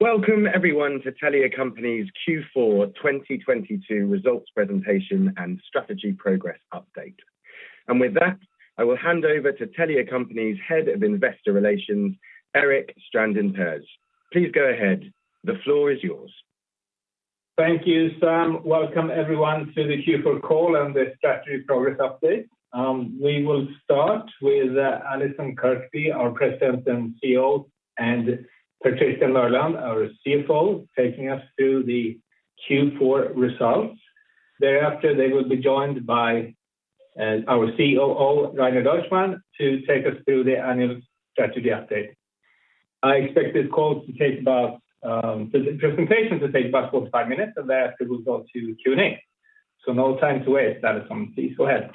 Welcome everyone to Telia Company Q4 2022 results presentation and strategy progress update. With that, I will hand over to Telia Company's Head of Investor Relations, Erik Strandin Pers. Please go ahead. The floor is yours. Thank you, Sam. Welcome everyone to the Q4 call and the strategy progress update. We will start with Allison Kirkby, our President and CEO, and Per Christian Mørland, our CFO, taking us through the Q4 results. Thereafter, they will be joined by our COO, Rainer Deutschmann, to take us through the annual strategy update. I expect this call to take about the presentation to take about 45 minutes. Thereafter we'll go to Q&A. No time to waste. Allison, please go ahead.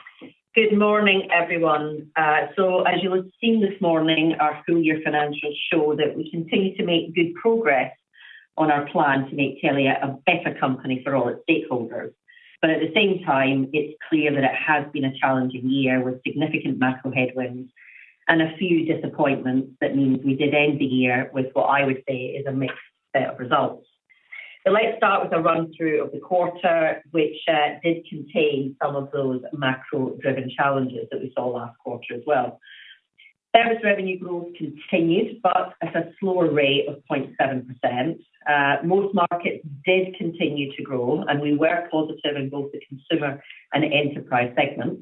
Good morning, everyone. As you would have seen this morning, our full year financials show that we continue to make good progress on our plan to make Telia a better company for all its stakeholders. At the same time, it's clear that it has been a challenging year with significant macro headwinds and a few disappointments. That means we did end the year with what I would say is a mixed set of results. Let's start with a run-through of the quarter, which did contain some of those macro-driven challenges that we saw last quarter as well. Service revenue growth continued, but at a slower rate of 0.7%. Most markets did continue to grow, and we were positive in both the consumer and enterprise segments.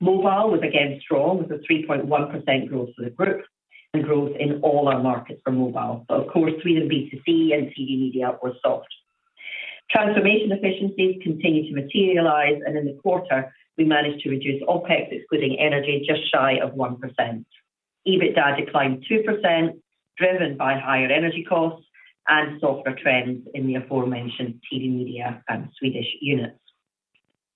Mobile was again strong with a 3.1% growth for the group and growth in all our markets for mobile. Of course, Sweden B2C and TV, media were soft. Transformation efficiencies continue to materialize, and in the quarter we managed to reduce OpEx, excluding energy, just shy of 1%. EBITDA declined 2%, driven by higher energy costs and softer trends in the aforementioned TV, media, and Swedish units.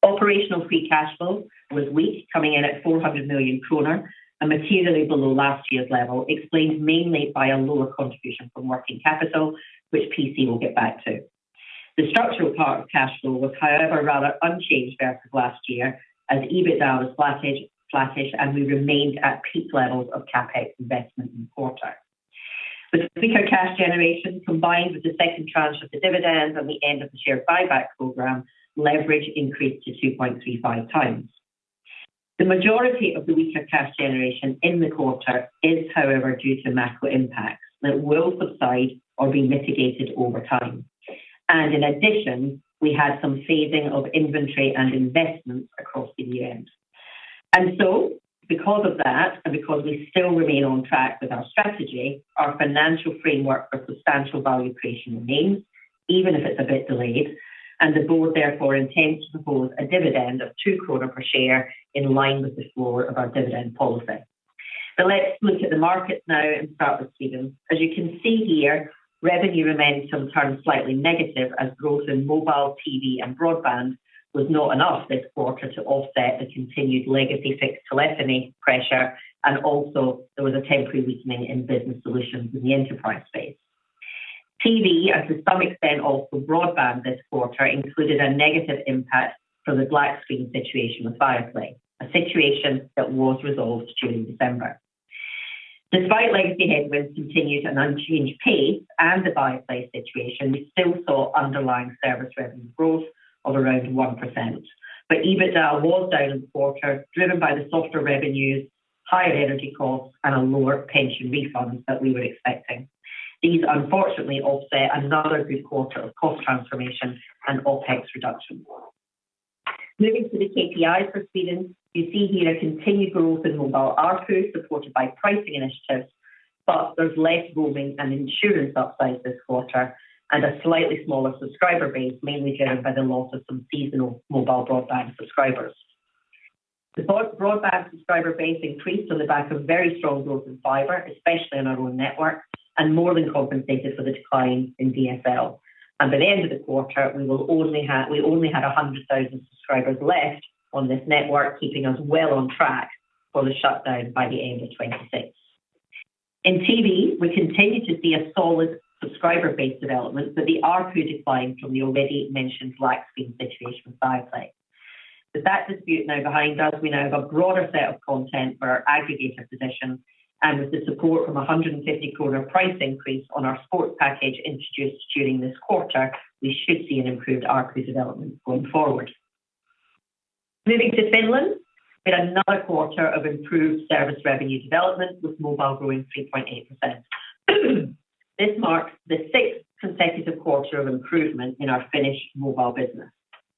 Operational free cash flow was weak, coming in at 400 million kronor and materially below last year's level, explained mainly by a lower contribution from working capital, which P.C. will get back to. The structural part of cash flow was, however, rather unchanged versus last year, as EBITDA was flattish, and we remained at peak levels of CapEx investment in the quarter. With weaker cash generation combined with the second tranche of the dividends and the end of the share buyback program, leverage increased to 2.35x. The majority of the weaker cash generation in the quarter is, however, due to macro impacts that will subside or be mitigated over time. In addition, we had some phasing of inventory and investments across the year. Because of that, and because we still remain on track with our strategy, our financial framework for substantial value creation remains, even if it's a bit delayed. The board therefore intends to propose a dividend of 2 kronor per share in line with the floor of our dividend policy. Let's look at the markets now and start with Sweden. As you can see here, revenue remains sometimes slightly negative as growth in mobile, TV, and broadband was not enough this quarter to offset the continued legacy fixed telephony pressure. Also there was a temporary weakening in business solutions in the enterprise space. TV, and to some extent also broadband this quarter, included a negative impact from the black screen situation with Viaplay, a situation that was resolved during December. Despite legacy headwinds continued an unchanged pace and the Viaplay situation, we still saw underlying service revenue growth of around 1%. EBITDA was down in the quarter, driven by the softer revenues, higher energy costs, and a lower pension refund that we were expecting. These unfortunately offset another good quarter of cost transformation and OpEx reduction. Moving to the KPIs for Sweden. You see here continued growth in mobile ARPU, supported by pricing initiatives. There's less roaming and insurance upside this quarter and a slightly smaller subscriber base, mainly driven by the loss of some seasonal mobile broadband subscribers. The broadband subscriber base increased on the back of very strong growth in fiber, especially on our own network, and more than compensated for the decline in DSL. By the end of the quarter, we only had 100,000 subscribers left on this network, keeping us well on track for the shutdown by the end of 2026. In TV, we continued to see a solid subscriber base development, but the ARPU decline from the already mentioned black screen situation with Viaplay. With that dispute now behind us, we now have a broader set of content for our aggregator position, with the support from a 150 price increase on our sports package introduced during this quarter, we should see an improved ARPU development going forward. Moving to Finland, we had another quarter of improved service revenue development, with mobile growing 3.8%. This marks the sixth consecutive quarter of improvement in our Finnish mobile business.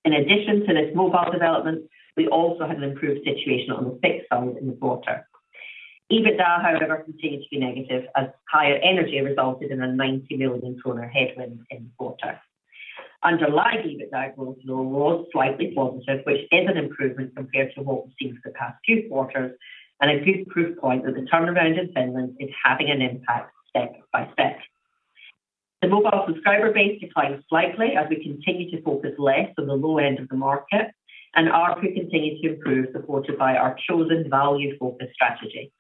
In addition to this mobile development, we also had an improved situation on the fixed side in the quarter. EBITDA, however, continued to be negative as higher energy resulted in a 90 million headwind in the quarter. Underlying EBITDA growth was slightly positive, which is an improvement compared to what we've seen for the past few quarters, and a good proof point that the turnaround in Finland is having an impact step by step. The mobile subscriber base declined slightly as we continue to focus less on the low end of the market. ARPU continued to improve, supported by our chosen value-focused strategy.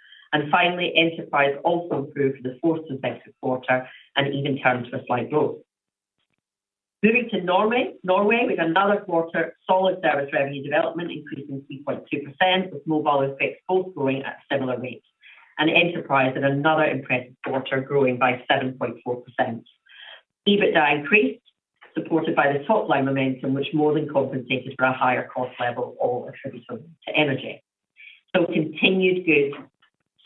Finally, enterprise also improved for the fourth consecutive quarter and even turned to a slight growth. Moving to Norway with another quarter solid service revenue development increasing 3.2%, with mobile and fixed both growing at similar rates. Enterprise at another impressive quarter, growing by 7.4%. EBITDA increased, supported by the top line momentum which more than compensated for a higher cost level all attributable to energy. Continued good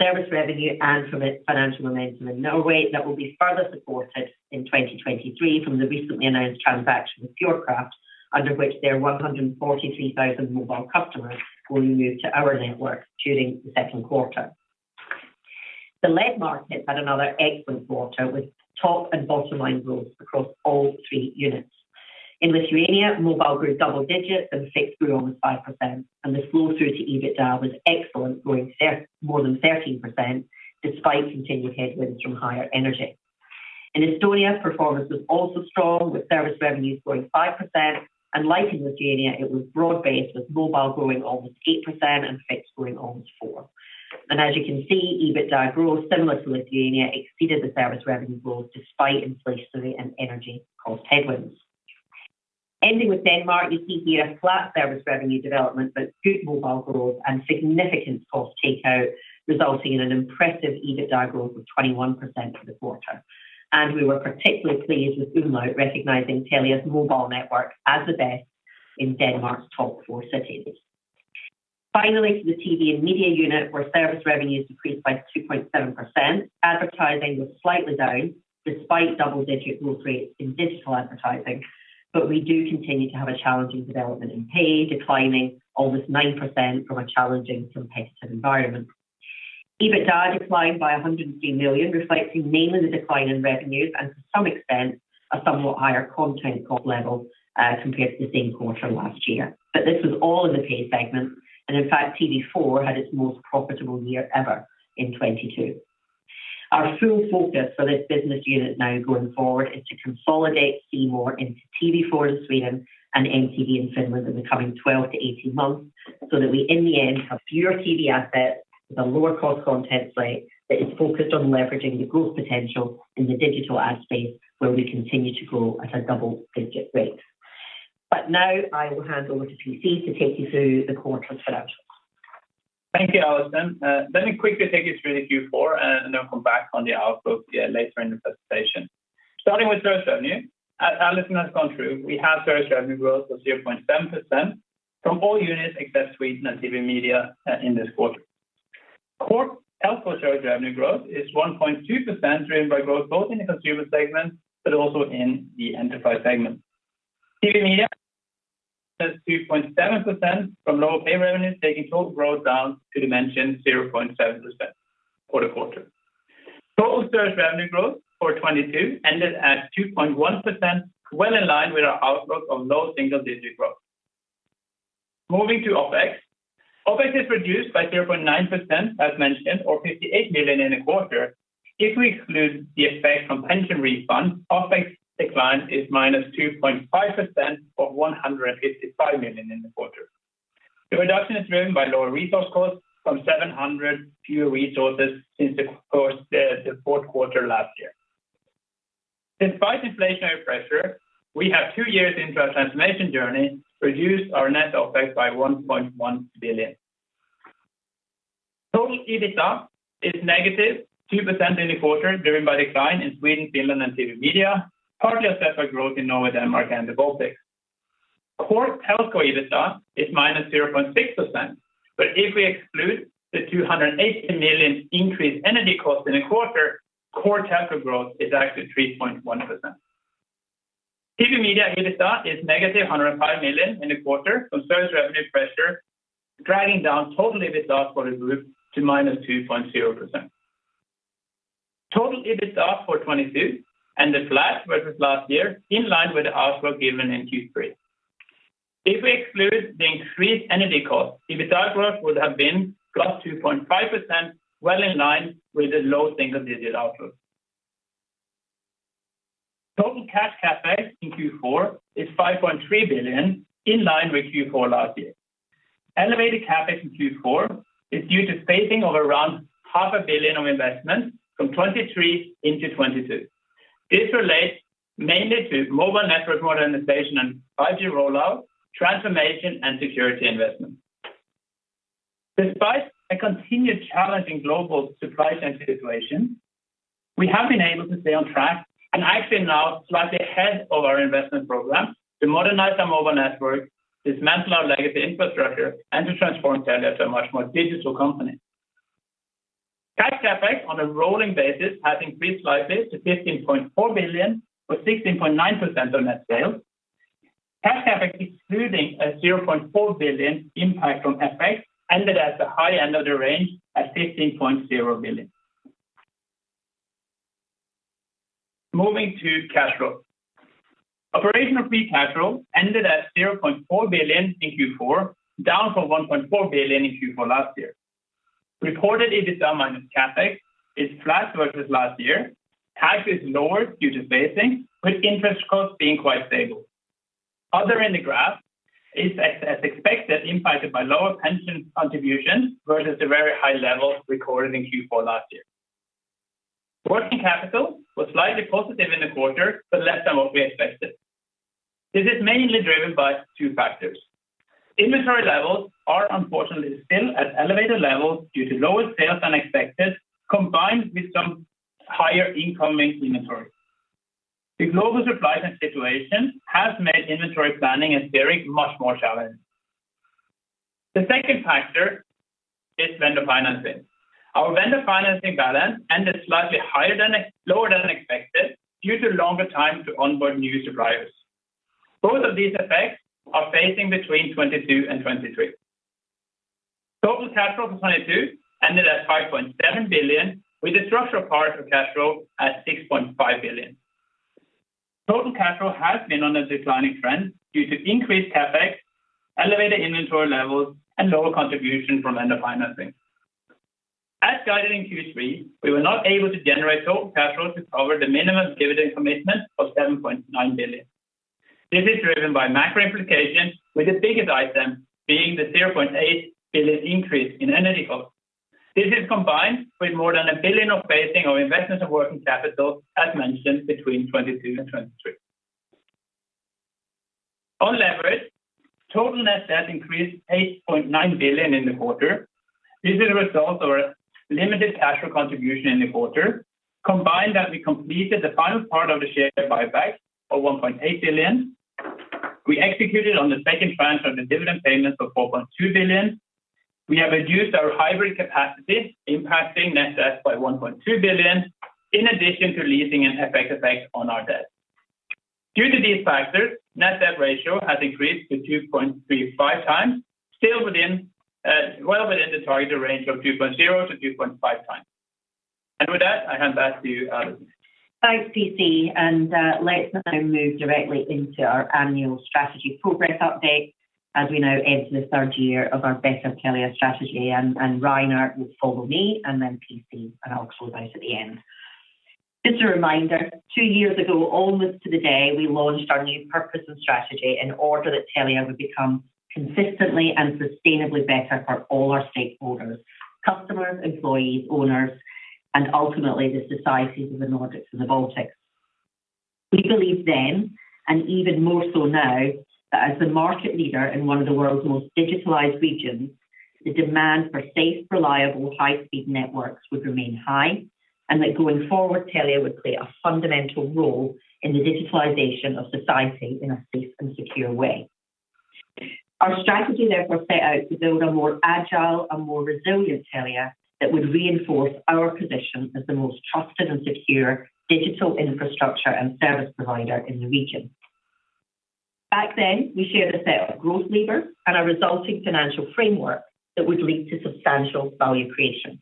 service revenue and from it financial momentum in Norway that will be further supported in 2023 from the recently announced transaction with Fjordkraft, under which their 143,000 mobile customers will move to our network during the second quarter. The Lead Market had another excellent quarter with top and bottom line growth across all three units. In Lithuania, mobile grew double digits and fixed grew almost 5%, and the flow through to EBITDA was excellent, growing more than 13% despite continued headwinds from higher energy. In Estonia, performance was also strong, with service revenues growing 5%. Like in Lithuania, it was broad-based, with mobile growing almost 8% and fixed growing almost 4%. As you can see, EBITDA growth, similar to Lithuania, exceeded the service revenue growth despite inflationary and energy cost headwinds. Ending with Denmark, you see here flat service revenue development, but good mobile growth and significant cost takeout, resulting in an impressive EBITDA growth of 21% for the quarter. We were particularly pleased with Umlaut recognizing Telia's mobile network as the best in Denmark's top four cities. Finally, to the TV and media unit, where service revenues decreased by 2.7%. Advertising was slightly down despite double-digit growth rates in digital advertising, but we do continue to have a challenging development in pay, declining almost 9% from a challenging competitive environment. EBITDA declined by 103 million, reflecting mainly the decline in revenues and to some extent, a somewhat higher content cost level compared to the same quarter last year. This was all in the pay segment, and in fact, TV4 had its most profitable year ever in 2022. Our full focus for this business unit now going forward is to consolidate C More into TV4 in Sweden and MTV in Finland in the coming 12-18 months, so that we in the end have fewer TV assets with a lower cost content play that is focused on leveraging the growth potential in the digital ad space, where we continue to grow at a double-digit rate. Now I will hand over to P.C. to take you through the quarter's financials. Thank you, Allison. Let me quickly take you through the Q4 and then I'll come back on the outlook here later in the presentation. Starting with service revenue. As Allison has gone through, we have service revenue growth of 0.7% from all units except Sweden and TV Media in this quarter. Core Telco service revenue growth is 1.2%, driven by growth both in the consumer segment but also in the enterprise segment. TV Media says 2.7% from lower pay revenues, taking total growth down to dimension 0.7% quarter-to-quarter. Total service revenue growth for 2022 ended at 2.1%, well in line with our outlook of low single-digit growth. Moving to OpEx. OpEx is reduced by 0.9%, as mentioned, or 58 million in the quarter. If we exclude the effect from pension refunds, OpEx decline is -2.5% of 155 million in the quarter. The reduction is driven by lower resource costs from 700 fewer resources since the fourth quarter last year. Despite inflationary pressure, we have two years into our transformation journey, reduced our net OpEx by 1.1 billion. Total EBITDA is -2% in the quarter, driven by decline in Sweden, Finland, and TV Media, partly offset by growth in Norway, Denmark, and the Baltics. Core Telco EBITDA is -0.6%. If we exclude the 280 million increased energy cost in the quarter, core Telco growth is actually 3.1%. TV Media EBITDA is negative 105 million in the quarter from service revenue pressure, dragging down total EBITDA for the group to -2.0%. Total EBITDA for 2022 ended flat versus last year, in line with the outlook given in Q3. If we exclude the increased energy cost, EBITDA growth would have been +2.5%, well in line with the low single-digit outlook. Total cash CapEx in Q4 is 5.3 billion, in line with Q4 last year. Elevated CapEx in Q4 is due to phasing of around 0.5 billion Of investment from 2023 into 2022. This relates mainly to mobile network modernization and 5G rollout, transformation, and security investment. Despite a continued challenging global supply chain situation, we have been able to stay on track and actually now slightly ahead of our investment program to modernize our mobile network, dismantle our legacy infrastructure, and to transform Telia to a much more digital company. Cash CapEx on a rolling basis has increased slightly to 15.4 billion or 16.9% of net sales. Cash CapEx excluding a 0.4 billion impact from FX ended at the high end of the range at 15.0 billion. Moving to cash flow. Operational free cash flow ended at 0.4 billion in Q4, down from 1.4 billion in Q4 last year. Reported EBITDA minus CapEx is flat versus last year. Cash is lower due to phasing, with interest costs being quite stable. Other in the graph is as expected, impacted by lower pension contributions versus the very high level recorded in Q4 last year. Working capital was slightly positive in the quarter, less than what we expected. This is mainly driven by two factors. Inventory levels are unfortunately still at elevated levels due to lower sales than expected, combined with some higher incoming inventory. The global supply chain situation has made inventory planning and steering much more challenging. The second factor is Vendor financing. Our Vendor financing balance ended slightly lower than expected due to longer time to onboard new suppliers. Both of these effects are phasing between 2022 and 2023. Total cash flow for 2022 ended at 5.7 billion, with the structural cash flow at 6.5 billion. Total cash flow has been on a declining trend due to increased CapEx, elevated inventory levels, and lower contribution from vendor financing. As guided in Q3, we were not able to generate total cash flow to cover the minimum dividend commitment of 7.9 billion. This is driven by macro implications, with the biggest item being the 0.8 billion increase in energy costs. This is combined with more than 1 billion of phasing our investment of working capital, as mentioned between 2022 and 2023. On leverage, total net debt increased 8.9 billion in the quarter. This is a result of our limited cash flow contribution in the quarter, combined that we completed the final part of the share buyback of 1.8 billion. We executed on the second tranche of the dividend payment for 4.2 billion. We have reduced our hybrid capital, impacting net debt by 1.2 billion, in addition to leasing and FX effects on our debt. Due to these factors, net debt ratio has increased to 2.35x, still well within the target range of 2.0x-2.5x. With that, I hand back to Allison. Thanks, P.C. Let's now move directly into our annual strategy progress update as we now enter the third year of our Better Telia strategy. Rainer will follow me, and then P.C., and I'll close out at the end. Just a reminder, two years ago, almost to the day, we launched our new purpose and strategy in order that Telia would become consistently and sustainably better for all our stakeholders, customers, employees, owners, and ultimately the societies of the Nordics and the Baltics. We believed then, and even more so now, that as the market leader in one of the world's most digitalized regions, the demand for safe, reliable, high-speed networks would remain high and that going forward, Telia would play a fundamental role in the digitalization of society in a safe and secure way. Our strategy therefore set out to build a more agile and more resilient Telia that would reinforce our position as the most trusted and secure digital infrastructure and service provider in the region. Back then, we shared a set of growth levers and a resulting financial framework that would lead to substantial value creation.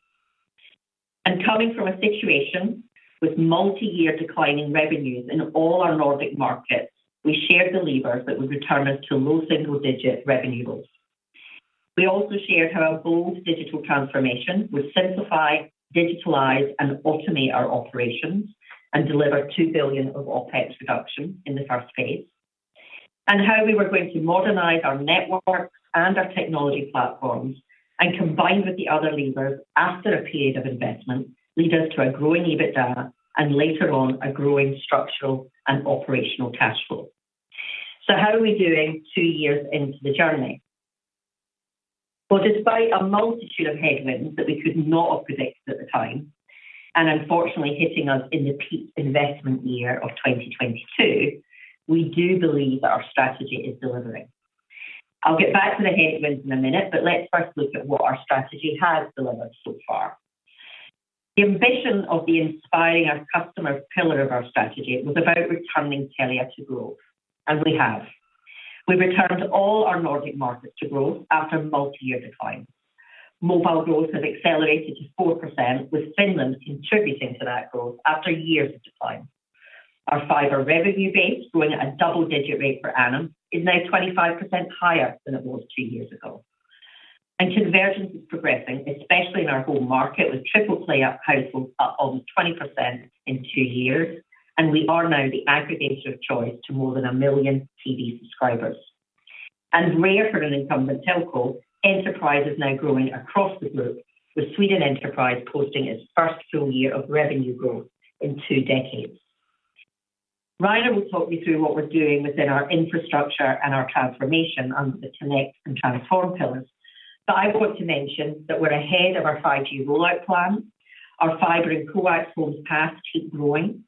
Coming from a situation with multi-year declining revenues in all our Nordic markets, we shared the levers that would return us to low single-digit revenue growth. We also shared how our bold digital transformation would simplify, digitalize, and automate our operations and deliver 2 billion of OpEx reduction in the first phase. How we were going to modernize our networks and our technology platforms and combine with the other levers after a period of investment lead us to a growing EBITDA and later on a growing structural and operational cash flow. How are we doing two years into the journey? Well, despite a multitude of headwinds that we could not have predicted at the time, and unfortunately hitting us in the peak investment year of 2022, we do believe that our strategy is delivering. I'll get back to the headwinds in a minute, but let's first look at what our strategy has delivered so far. The ambition of the inspiring our customers pillar of our strategy was about returning Telia to growth, and we have. We've returned all our Nordic markets to growth after multi-year decline. Mobile growth has accelerated to 4%, with Finland contributing to that growth after years of decline. Our fiber revenue base, growing at a double-digit rate per annum, is now 25% higher than it was two years ago. Convergence is progressing, especially in our home market, with triple play households up almost 20% in two years, and we are now the aggregator of choice to more than 1 million TV subscribers. Rare for an incumbent telco, enterprise is now growing across the group, with Sweden Enterprise posting its first full year of revenue growth in two decades. Rainer will talk you through what we're doing within our infrastructure and our transformation under the connect and transform pillars. I want to mention that we're ahead of our 5G rollout plan. Our fiber and coax homes passed keep growing.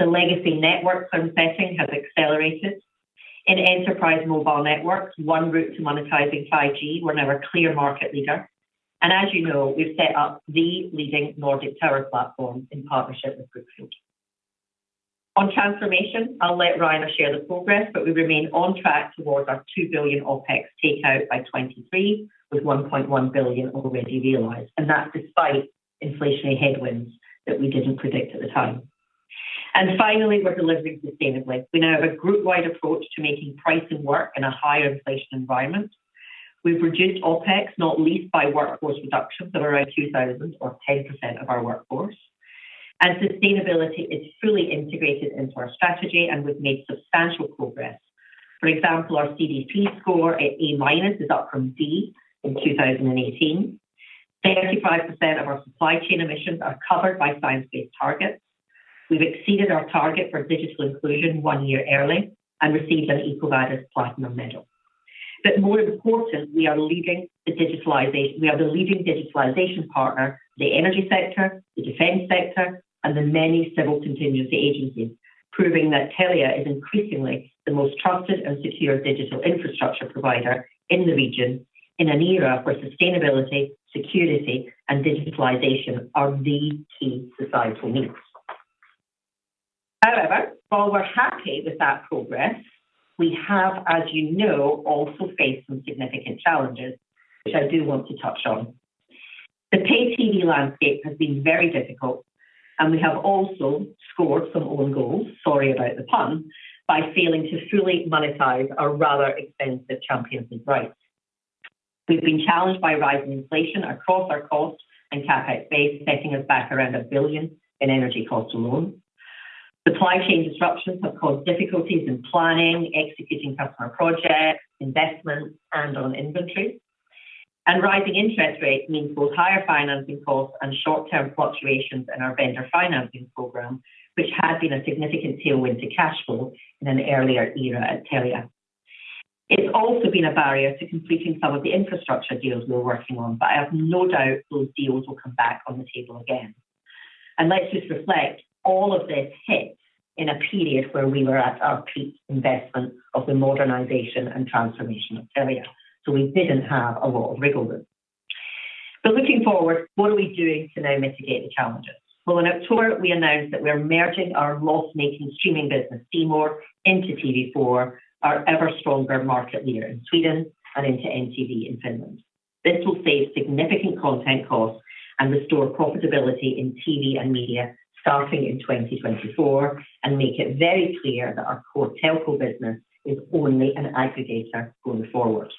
The legacy network sunsetting has accelerated. In enterprise mobile networks, one route to monetizing 5G, we're now a clear market leader. As you know, we've set up the leading Nordic tower platform in partnership with Brookfield. On transformation, I'll let Rainer share the progress, we remain on track towards our 2 billion OpEx takeout by 2023, with 1.1 billion already realized, and that's despite inflationary headwinds that we didn't predict at the time. Finally, we're delivering sustainably. We now have a group-wide approach to making pricing work in a higher inflation environment. We've reduced OpEx, not least by workforce reductions of around 2,000 or 10% of our workforce. Sustainability is fully integrated into our strategy, and we've made substantial progress. For example, our CDP score at A- is up from D in 2018. 35% of our supply chain emissions are covered by Science-Based Targets. We've exceeded our target for digital inclusion one year early and received an EcoVadis platinum medal. More important, we are leading the digitalization. We are the leading digitalization partner, the energy sector, the defense sector, and the many civil contingency agencies, proving that Telia is increasingly the most trusted and secure digital infrastructure provider in the region in an era where sustainability, security, and digitalization are the key societal needs. While we're happy with that progress, we have, as you know, also faced some significant challenges, which I do want to touch on. The pay TV landscape has been very difficult. We have also scored some own goals, sorry about the pun, by failing to fully monetize our rather expensive Champions League rights. We've been challenged by rising inflation across our cost and CapEx base, setting us back around 1 billion in energy costs alone. Supply chain disruptions have caused difficulties in planning, executing customer projects, investments, and on inventory. Rising interest rates mean both higher financing costs and short-term fluctuations in our vendor financing program, which has been a significant tailwind to cash flow in an earlier era at Telia. It's also been a barrier to completing some of the infrastructure deals we're working on, but I have no doubt those deals will come back on the table again. Let's just reflect all of this hit in a period where we were at our peak investment of the modernization and transformation of Telia. We didn't have a lot of wriggle room. Looking forward, what are we doing to now mitigate the challenges? Well, in October, we announced that we're merging our loss-making streaming business, C More, into TV4, our ever-stronger market leader in Sweden and into MTV in Finland. This will save significant content costs and restore profitability in TV and media starting in 2024, make it very clear that our core telco business is only an aggregator going forward.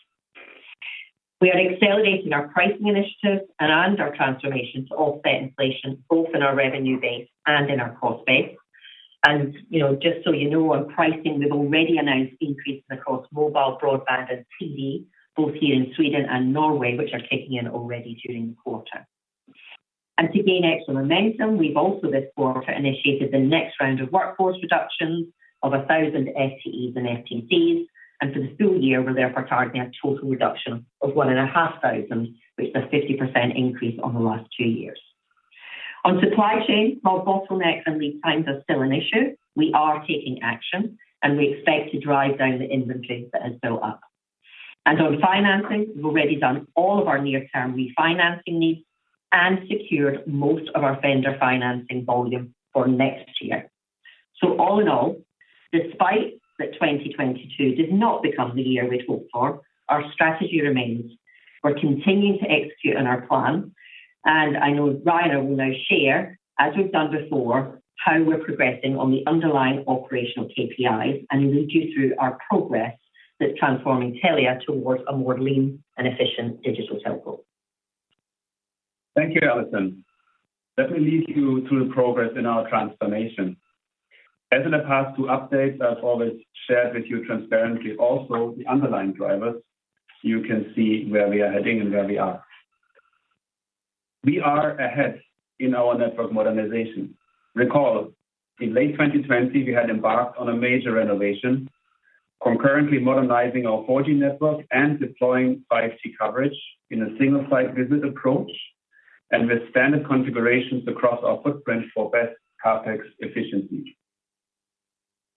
We are accelerating our pricing initiatives and our transformation to offset inflation both in our revenue base and in our cost base. You know, just so you know, on pricing, we've already announced increases across mobile, broadband, and TV, both here in Sweden and Norway, which are kicking in already during the quarter. To gain extra momentum, we've also this quarter initiated the next round of workforce reductions of 1,000 FTEs and FTCs. For the full year, we're therefore targeting a total reduction of 1,500, which is a 50% increase on the last two years. On supply chain, while bottlenecks and lead times are still an issue, we are taking action, and we expect to drive down the inventory that has built up. On financing, we've already done all of our near-term refinancing needs and secured most of our vendor financing volume for next year. All in all, despite that 2022 did not become the year we'd hoped for, our strategy remains. We're continuing to execute on our plan, and I know Rainer will now share, as we've done before, how we're progressing on the underlying operational KPIs and lead you through our progress that's transforming Telia towards a more lean and efficient digital telco. Thank you, Allison. Let me lead you through the progress in our transformation. As in the past two updates, I've always shared with you transparently also the underlying drivers. You can see where we are heading and where we are. We are ahead in our network modernization. Recall, in late 2020, we had embarked on a major renovation, concurrently modernizing our 4G network and deploying 5G coverage in a single-site visit approach and with standard configurations across our footprint for best CapEx efficiency.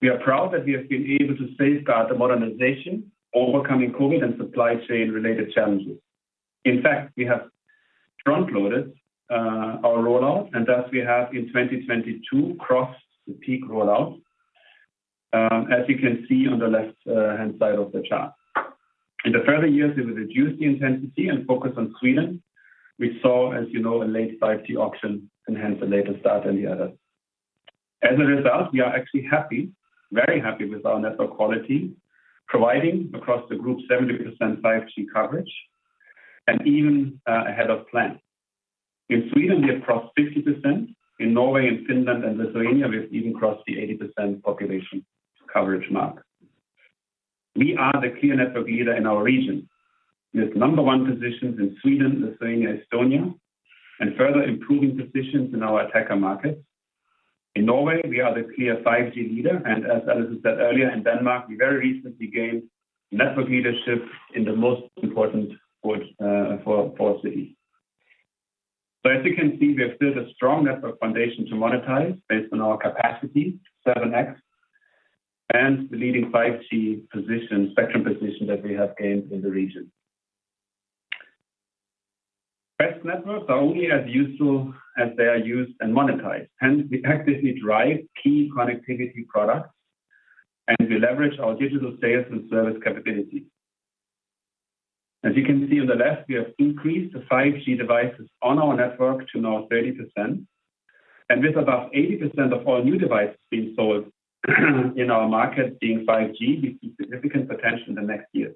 We are proud that we have been able to safeguard the modernization, overcoming COVID and supply chain related challenges. In fact, we have front-loaded our rollout, and thus we have in 2022 crossed the peak rollout, as you can see on the left hand side of the chart. In the further years, we will reduce the intensity and focus on Sweden. We saw, as you know, a late 5G auction and hence a later start than the others. As a result, we are actually happy, very happy with our network quality, providing across the Group 70% 5G coverage and even ahead of plan. In Sweden, we have crossed 60%. In Norway and Finland and Lithuania, we've even crossed the 80% population coverage mark. We are the clear network leader in our region. With number one positions in Sweden, Lithuania, Estonia, and further improving positions in our attacker markets. In Norway, we are the clear 5G leader. As Allison said earlier, in Denmark, we very recently gained network leadership in the most important Øresund for city. As you can see, we have built a strong network foundation to monetize based on our capacity, 7x, and the leading 5G position, spectrum position that we have gained in the region. Best networks are only as useful as they are used and monetized. Hence, we actively drive key connectivity products, and we leverage our digital sales and service capabilities. As you can see on the left, we have increased the 5G devices on our network to now 30%. With about 80% of all new devices being sold in our market being 5G, we see significant potential in the next years.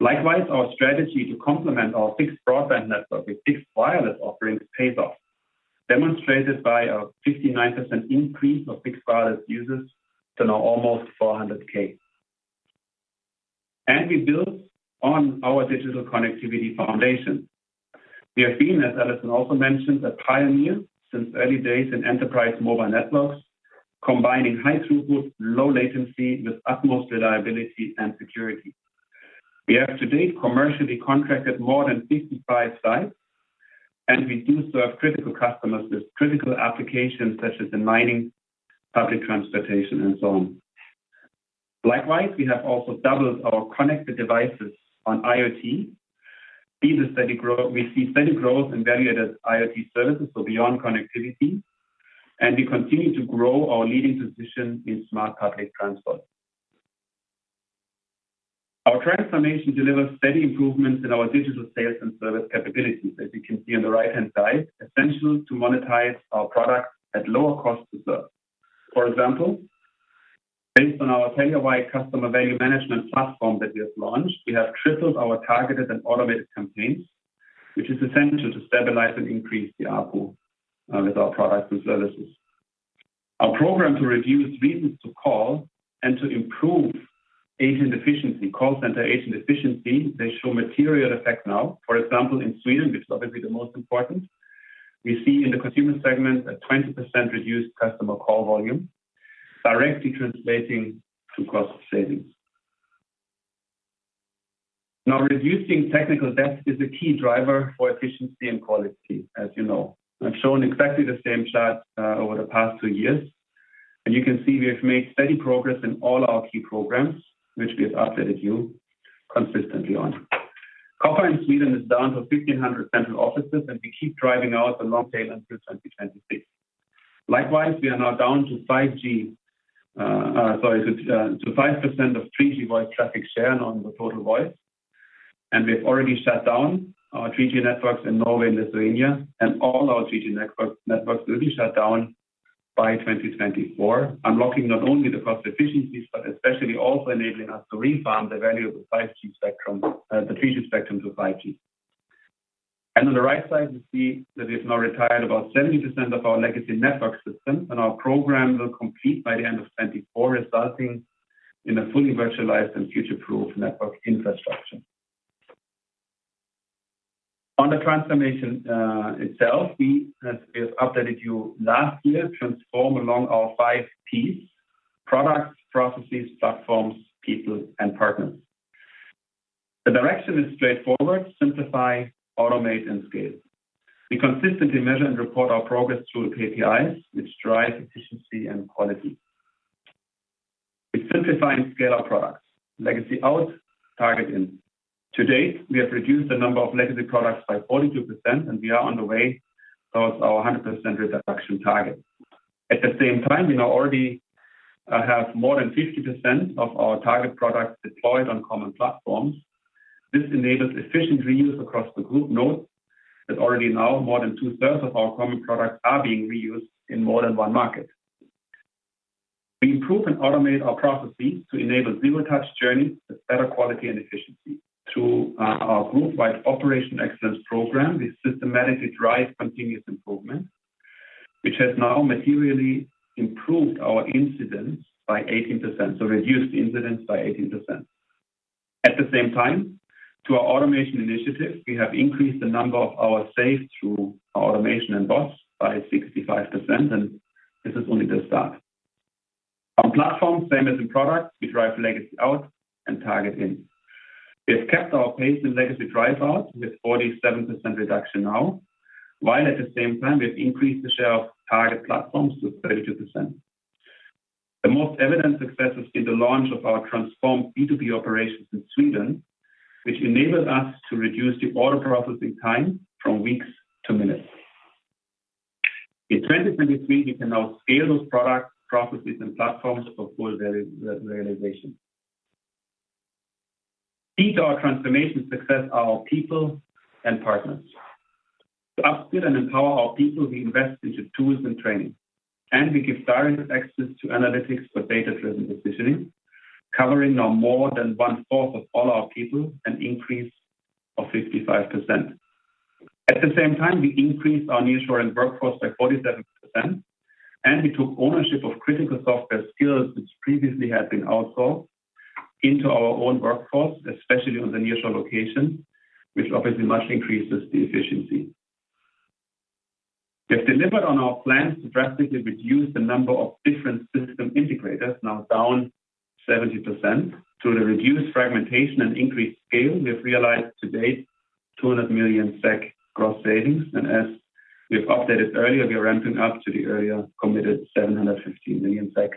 Likewise, our strategy to complement our fixed broadband network with fixed wireless offerings pays off, demonstrated by a 59% increase of fixed wireless users to now almost 400K. We build on our digital connectivity foundation. We have been, as Allison also mentioned, a pioneer since early days in enterprise mobile networks, combining high throughput, low latency with utmost reliability and security. We have to date commercially contracted more than 65 sites, and we do serve critical customers with critical applications such as in mining, public transportation and so on. Likewise, we have also doubled our connected devices on IoT. We see steady growth in value-added IoT services, so beyond connectivity, and we continue to grow our leading position in smart public transport. Our transformation delivers steady improvements in our digital sales and service capabilities, as you can see on the right-hand side, essential to monetize our products at lower cost to serve. For example, based on our Telia-wide customer value management platform that we have launched, we have tripled our targeted and automated campaigns, which is essential to stabilize and increase the ARPU with our products and services. Our program to reduce reasons to call and to improve agent efficiency, call center agent efficiency, they show material effect now. For example, in Sweden, which is obviously the most important, we see in the consumer segment a 20% reduced customer call volume, directly translating to cost savings. Reducing technical debt is a key driver for efficiency and quality, as you know. I've shown exactly the same chart over the past two years, and you can see we have made steady progress in all our key programs, which we have updated you consistently on. Copper in Sweden is down to 1,500 central offices. We keep driving out the long tail until 2026. Likewise, we are now down to 5%, sorry, of 3G voice traffic share on the total voice. We've already shut down our 3G networks in Norway and Lithuania, and all our 3G networks will be shut down by 2024, unlocking not only the cost efficiencies, but especially also enabling us to re-farm the value of the 3G spectrum to 5G. On the right side, we see that we've now retired about 70% of our legacy network systems, and our program will complete by the end of 2024, resulting in a fully virtualized and future-proof network infrastructure. On the transformation itself, we, as we have updated you last year, transform along our 5 P's: products, processes, platforms, people and partners. The direction is straightforward: simplify, automate and scale. We consistently measure and report our progress through KPIs, which drive efficiency and quality. We simplify and scale our products, legacy out, target in. To date, we have reduced the number of legacy products by 42%, and we are on the way towards our 100% reduction target. At the same time, we now already have more than 50% of our target products deployed on common platforms. This enables efficient reuse across the group. Note that already now more than 2/3 of our common products are being reused in more than one market. We improve and automate our processes to enable zero-touch journey with better quality and efficiency. Through our group-wide operation excellence program, we systematically drive continuous improvement, which has now materially improved our incidents by 18%, so reduced incidents by 18%. At the same time, through our automation initiative, we have increased the number of hours saved through automation and bots by 65%, and this is only the start. On platforms, same as in products, we drive legacy out and target in. We have kept our pace in legacy drive out with 47% reduction now, while at the same time we've increased the share of target platforms to 32%. The most evident success has been the launch of our transformed B2B operations in Sweden, which enabled us to reduce the order processing time from weeks to minutes. In 2023, we can now scale those products, processes and platforms for full realization. Key to our transformation success are our people and partners. To upskill and empower our people, we invest into tools and training, and we give direct access to analytics for data-driven decisioning, covering now more than one-fourth of all our people, an increase of 55%. At the same time, we increased our nearshore workforce by 47%, and we took ownership of critical software skills, which previously had been outsourced, into our own workforce, especially on the nearshore location, which obviously much increases the efficiency. We have delivered on our plans to drastically reduce the number of different system integrators, now down 70%. Through the reduced fragmentation and increased scale, we have realized to date 200 million SEK gross savings. As we have updated earlier, we are ramping up to the earlier committed 750 million SEK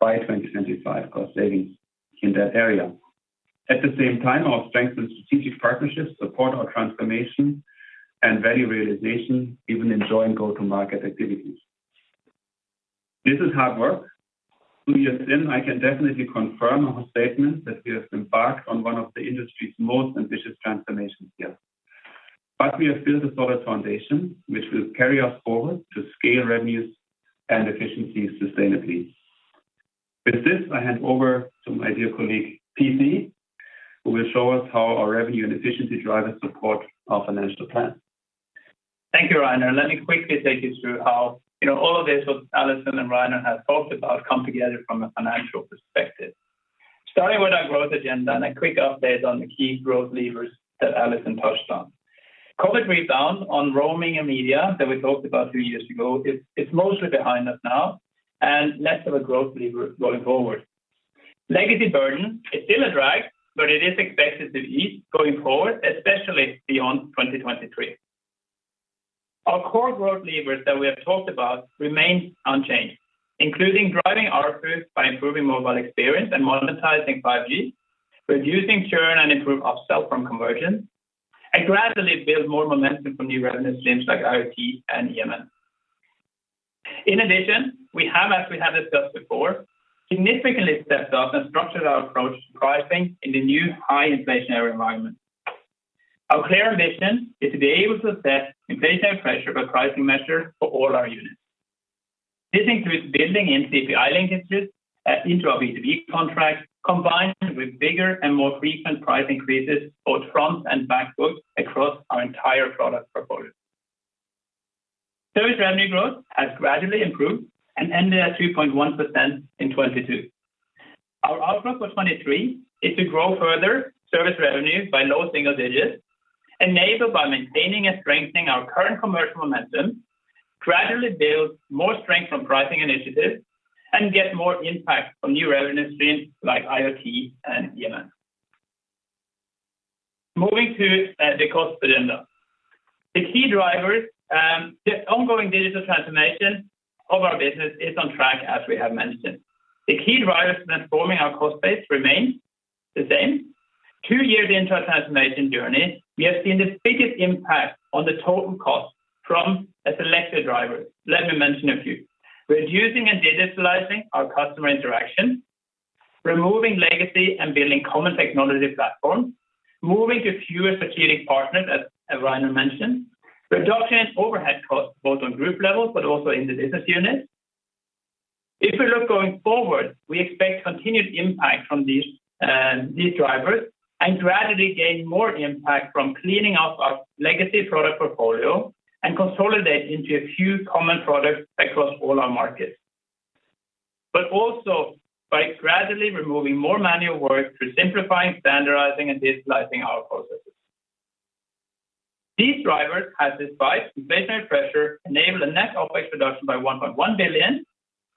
by 2025 cost savings in that area. At the same time, our strengthened strategic partnerships support our transformation and value realization, even in joint go-to-market activities. This is hard work. Two years in, I can definitely confirm our statement that we have embarked on one of the industry's most ambitious transformations here. But we have built a solid foundation which will carry us forward to scale revenues and efficiency sustainably. With this, I hand over to my dear colleague, P.C., who will show us how our revenue and efficiency drivers support our financial plan. Thank you, Rainer. Let me quickly take you through how, you know, all of this, what Allison and Rainer have talked about come together from a financial perspective. Starting with our growth agenda and a quick update on the key growth levers that Allison touched on. COVID rebound on roaming and media that we talked about two years ago is mostly behind us now and less of a growth lever going forward. Legacy burden is still a drag, but it is expected to ease going forward, especially beyond 2023. Our core growth levers that we have talked about remain unchanged, including driving ARPU by improving mobile experience and monetizing 5G, reducing churn and improve upsell from conversion, and gradually build more momentum from new revenue streams like IoT and EMN. We have, as we have discussed before, significantly stepped up and structured our approach to pricing in the new high inflationary environment. Our clear ambition is to be able to offset inflationary pressure by pricing measure for all our units. This includes building in CPI linkages into our B2B contracts, combined with bigger and more frequent price increases, both front and back book across our entire product portfolio. Service revenue growth has gradually improved and ended at 2.1% in 2022. Our outlook for 2023 is to grow further service revenue by low single digits, enabled by maintaining and strengthening our current commercial momentum, gradually build more strength from pricing initiatives and get more impact from new revenue streams like IoT and EMN. Moving to the cost agenda. The key drivers, the ongoing digital transformation of our business is on track as we have mentioned. The key drivers transforming our cost base remain the same. Two-year digital transformation journey, we have seen the biggest impact on the total cost from a selected driver. Let me mention a few. Reducing and digitalizing our customer interaction, removing legacy and building common technology platforms, moving to fewer security partners, as Rainer mentioned. Reduction in overhead costs, both on group levels, but also in the business unit. If we look going forward, we expect continued impact from these drivers and gradually gain more impact from cleaning up our legacy product portfolio and consolidate into a few common products across all our markets. But also by gradually removing more manual work through simplifying, standardizing and digitalizing our processes. These drivers, as despite inflationary pressure, enable a net OpEx reduction by 1.1 billion.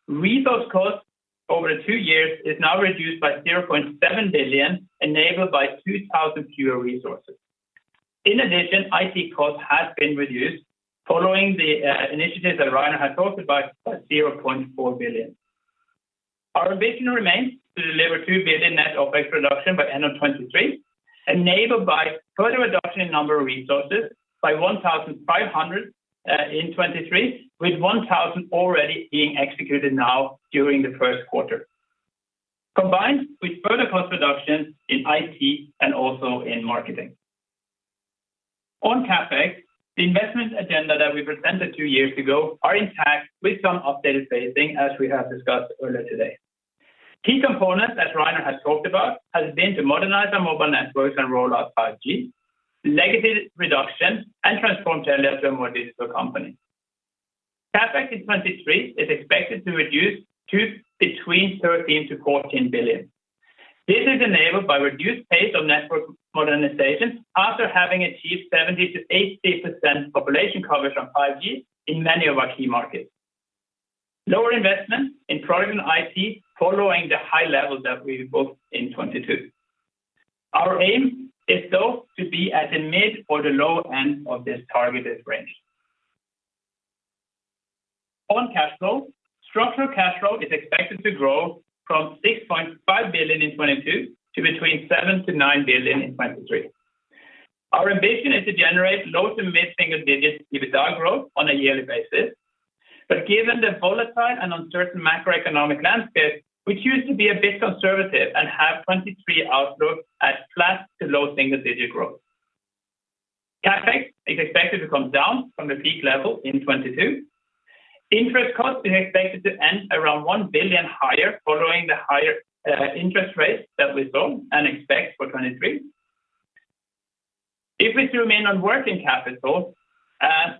Resource costs over the two years is now reduced by 0.7 billion, enabled by 2,000 fewer resources. In addition, IT costs have been reduced following the initiatives that Rainer had talked about by 0.4 billion. Our ambition remains to deliver 2 billion net OpEx reduction by end of 2023, enabled by further reduction in number of resources by 1,500 in 2023, with 1,000 already being executed now during the first quarter. Combined with further cost reduction in IT and also in marketing. On CapEx, the investment agenda that we presented two years ago are intact with some updated phasing, as we have discussed earlier today. Key components, as Rainer has talked about, has been to modernize our mobile networks and roll out 5G, legacy reduction and transform Telia to a more digital company. CapEx in 2023 is expected to reduce to between 13 billion-14 billion. This is enabled by reduced pace of network modernization after having achieved 70%-80% population coverage on 5G in many of our key markets. Lower investment in product and IT following the high levels that we booked in 2022. Our aim is though to be at the mid or the low end of this targeted range. On cash flow, structural cash flow is expected to grow from 6.5 billion in 2022 to between 7 billion-9 billion in 2023. Our ambition is to generate low to mid single digits dividend growth on a yearly basis. Given the volatile and uncertain macroeconomic landscape, we choose to be a bit conservative and have 2023 outlook at flat to low single digit growth. CapEx is expected to come down from the peak level in 2022. Interest cost is expected to end around 1 billion higher following the higher interest rates that we saw and expect for 2023. If we zoom in on working capital,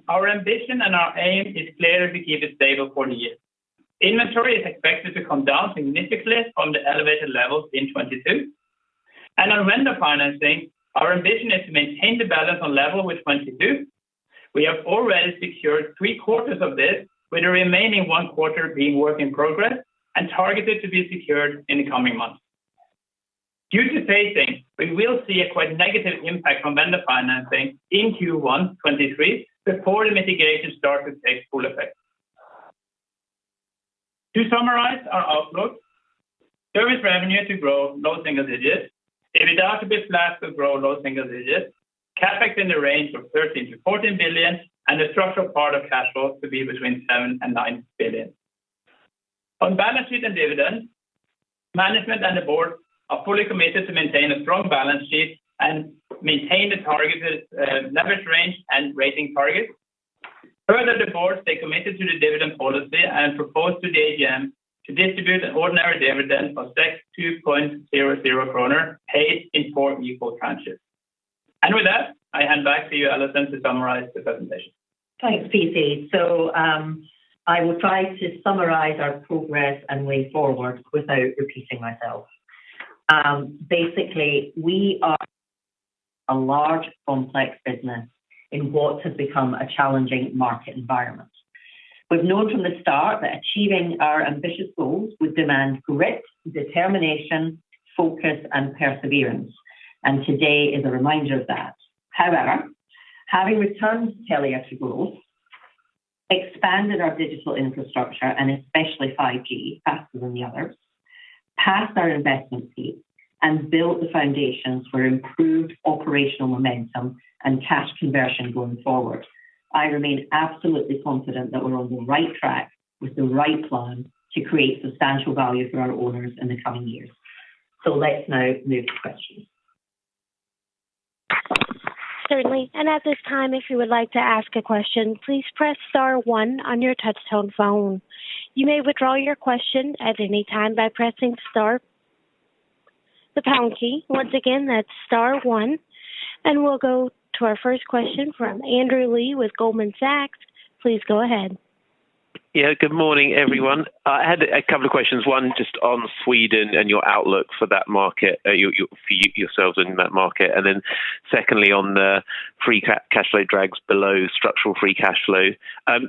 our ambition and our aim is clearly to keep it stable for the year. Inventory is expected to come down significantly from the elevated levels in 2022. On vendor financing, our ambition is to maintain the balance on level with 2022. We have already secured three quarters of this, with the remaining one quarter being work in progress and targeted to be secured in the coming months. Due to phasing, we will see a quite negative impact on vendor financing in Q1 2023 before the mitigation start to take full effect. To summarize our outlook, service revenue to grow low single digits. EBITDA to be flat to grow low single digits. CapEx in the range of 13 billion-14 billion, and the structural part of cash flow to be between 7 billion and 9 billion. On balance sheet and dividends, management and the board are fully committed to maintain a strong balance sheet and maintain the targeted leverage range and rating target. Further, the board stay committed to the dividend policy and propose to the AGM to distribute an ordinary dividend of 2.00 kronor, paid in four equal tranches. With that, I hand back to you, Allison, to summarize the presentation. Thanks, P.C. I will try to summarize our progress and way forward without repeating myself. Basically, we are a large complex business in what has become a challenging market environment. We've known from the start that achieving our ambitious goals would demand grit, determination, focus and perseverance. Today is a reminder of that. However, having returned Telia to growth, expanded our digital infrastructure and especially 5G faster than the others, passed our investment peak and built the foundations for improved operational momentum and cash conversion going forward. I remain absolutely confident that we're on the right track with the right plan to create substantial value for our owners in the coming years. Let's now move to questions. Certainly. At this time, if you would like to ask a question, please press star one on your touch tone phone. You may withdraw your question at any time by pressing star, the pound key. Once again, that's star one. We'll go to our first question from Andrew Lee with Goldman Sachs. Please go ahead. Good morning, everyone. I had a couple of questions. One, just on Sweden and your outlook for that market, yourselves in that market. Secondly, on the free cash flow drags below structural free cash flow.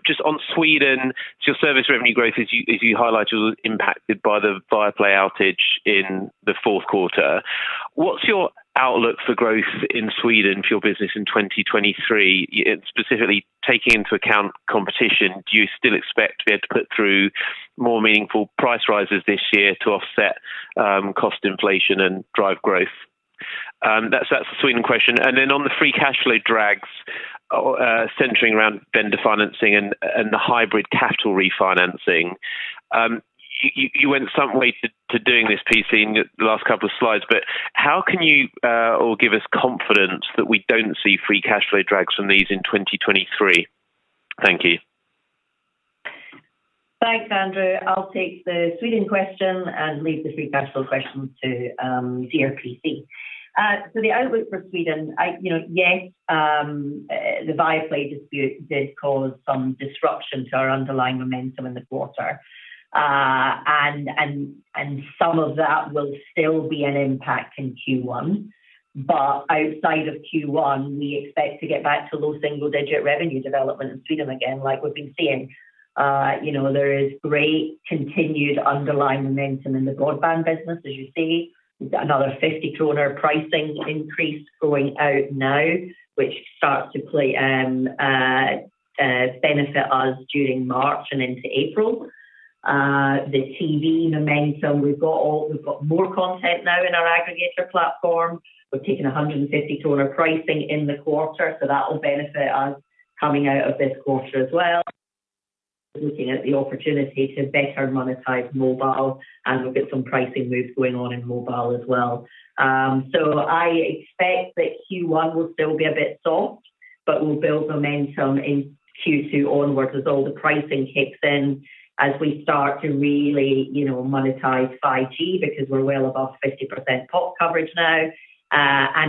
Just on Sweden, your service revenue growth, as you highlighted, was impacted by the Viaplay outage in the fourth quarter. What's your outlook for growth in Sweden for your business in 2023? Specifically taking into account competition, do you still expect to be able to put through more meaningful price rises this year to offset cost inflation and drive growth? That's the Sweden question. On the free cash flow drags, centering around vendor financing and the hybrid capital refinancing. You went some way to doing this P.C., in the last couple of slides. How can you, or give us confidence that we don't see free cash flow drags from these in 2023? Thank you. Thanks, Andrew. I'll take the Sweden question and leave the free cash flow questions to CEO P.C. The outlook for Sweden, I, you know, yes, the Viaplay dispute did cause some disruption to our underlying momentum in the quarter. Some of that will still be an impact in Q1. Outside of Q1, we expect to get back to low single digit revenue development in Sweden again, like we've been seeing. You know, there is great continued underlying momentum in the broadband business, as you see. Another 50 kronor pricing increase going out now, which starts to play benefit us during March and into April. The TV momentum, we've got more content now in our aggregator platform. We've taken 150 kronor pricing in the quarter, that will benefit us coming out of this quarter as well. Looking at the opportunity to better monetize mobile, we've got some pricing moves going on in mobile as well. I expect that Q1 will still be a bit soft, but we'll build momentum in Q2 onwards as all the pricing kicks in, as we start to really, you know, monetize 5G because we're well above 50% pop coverage now.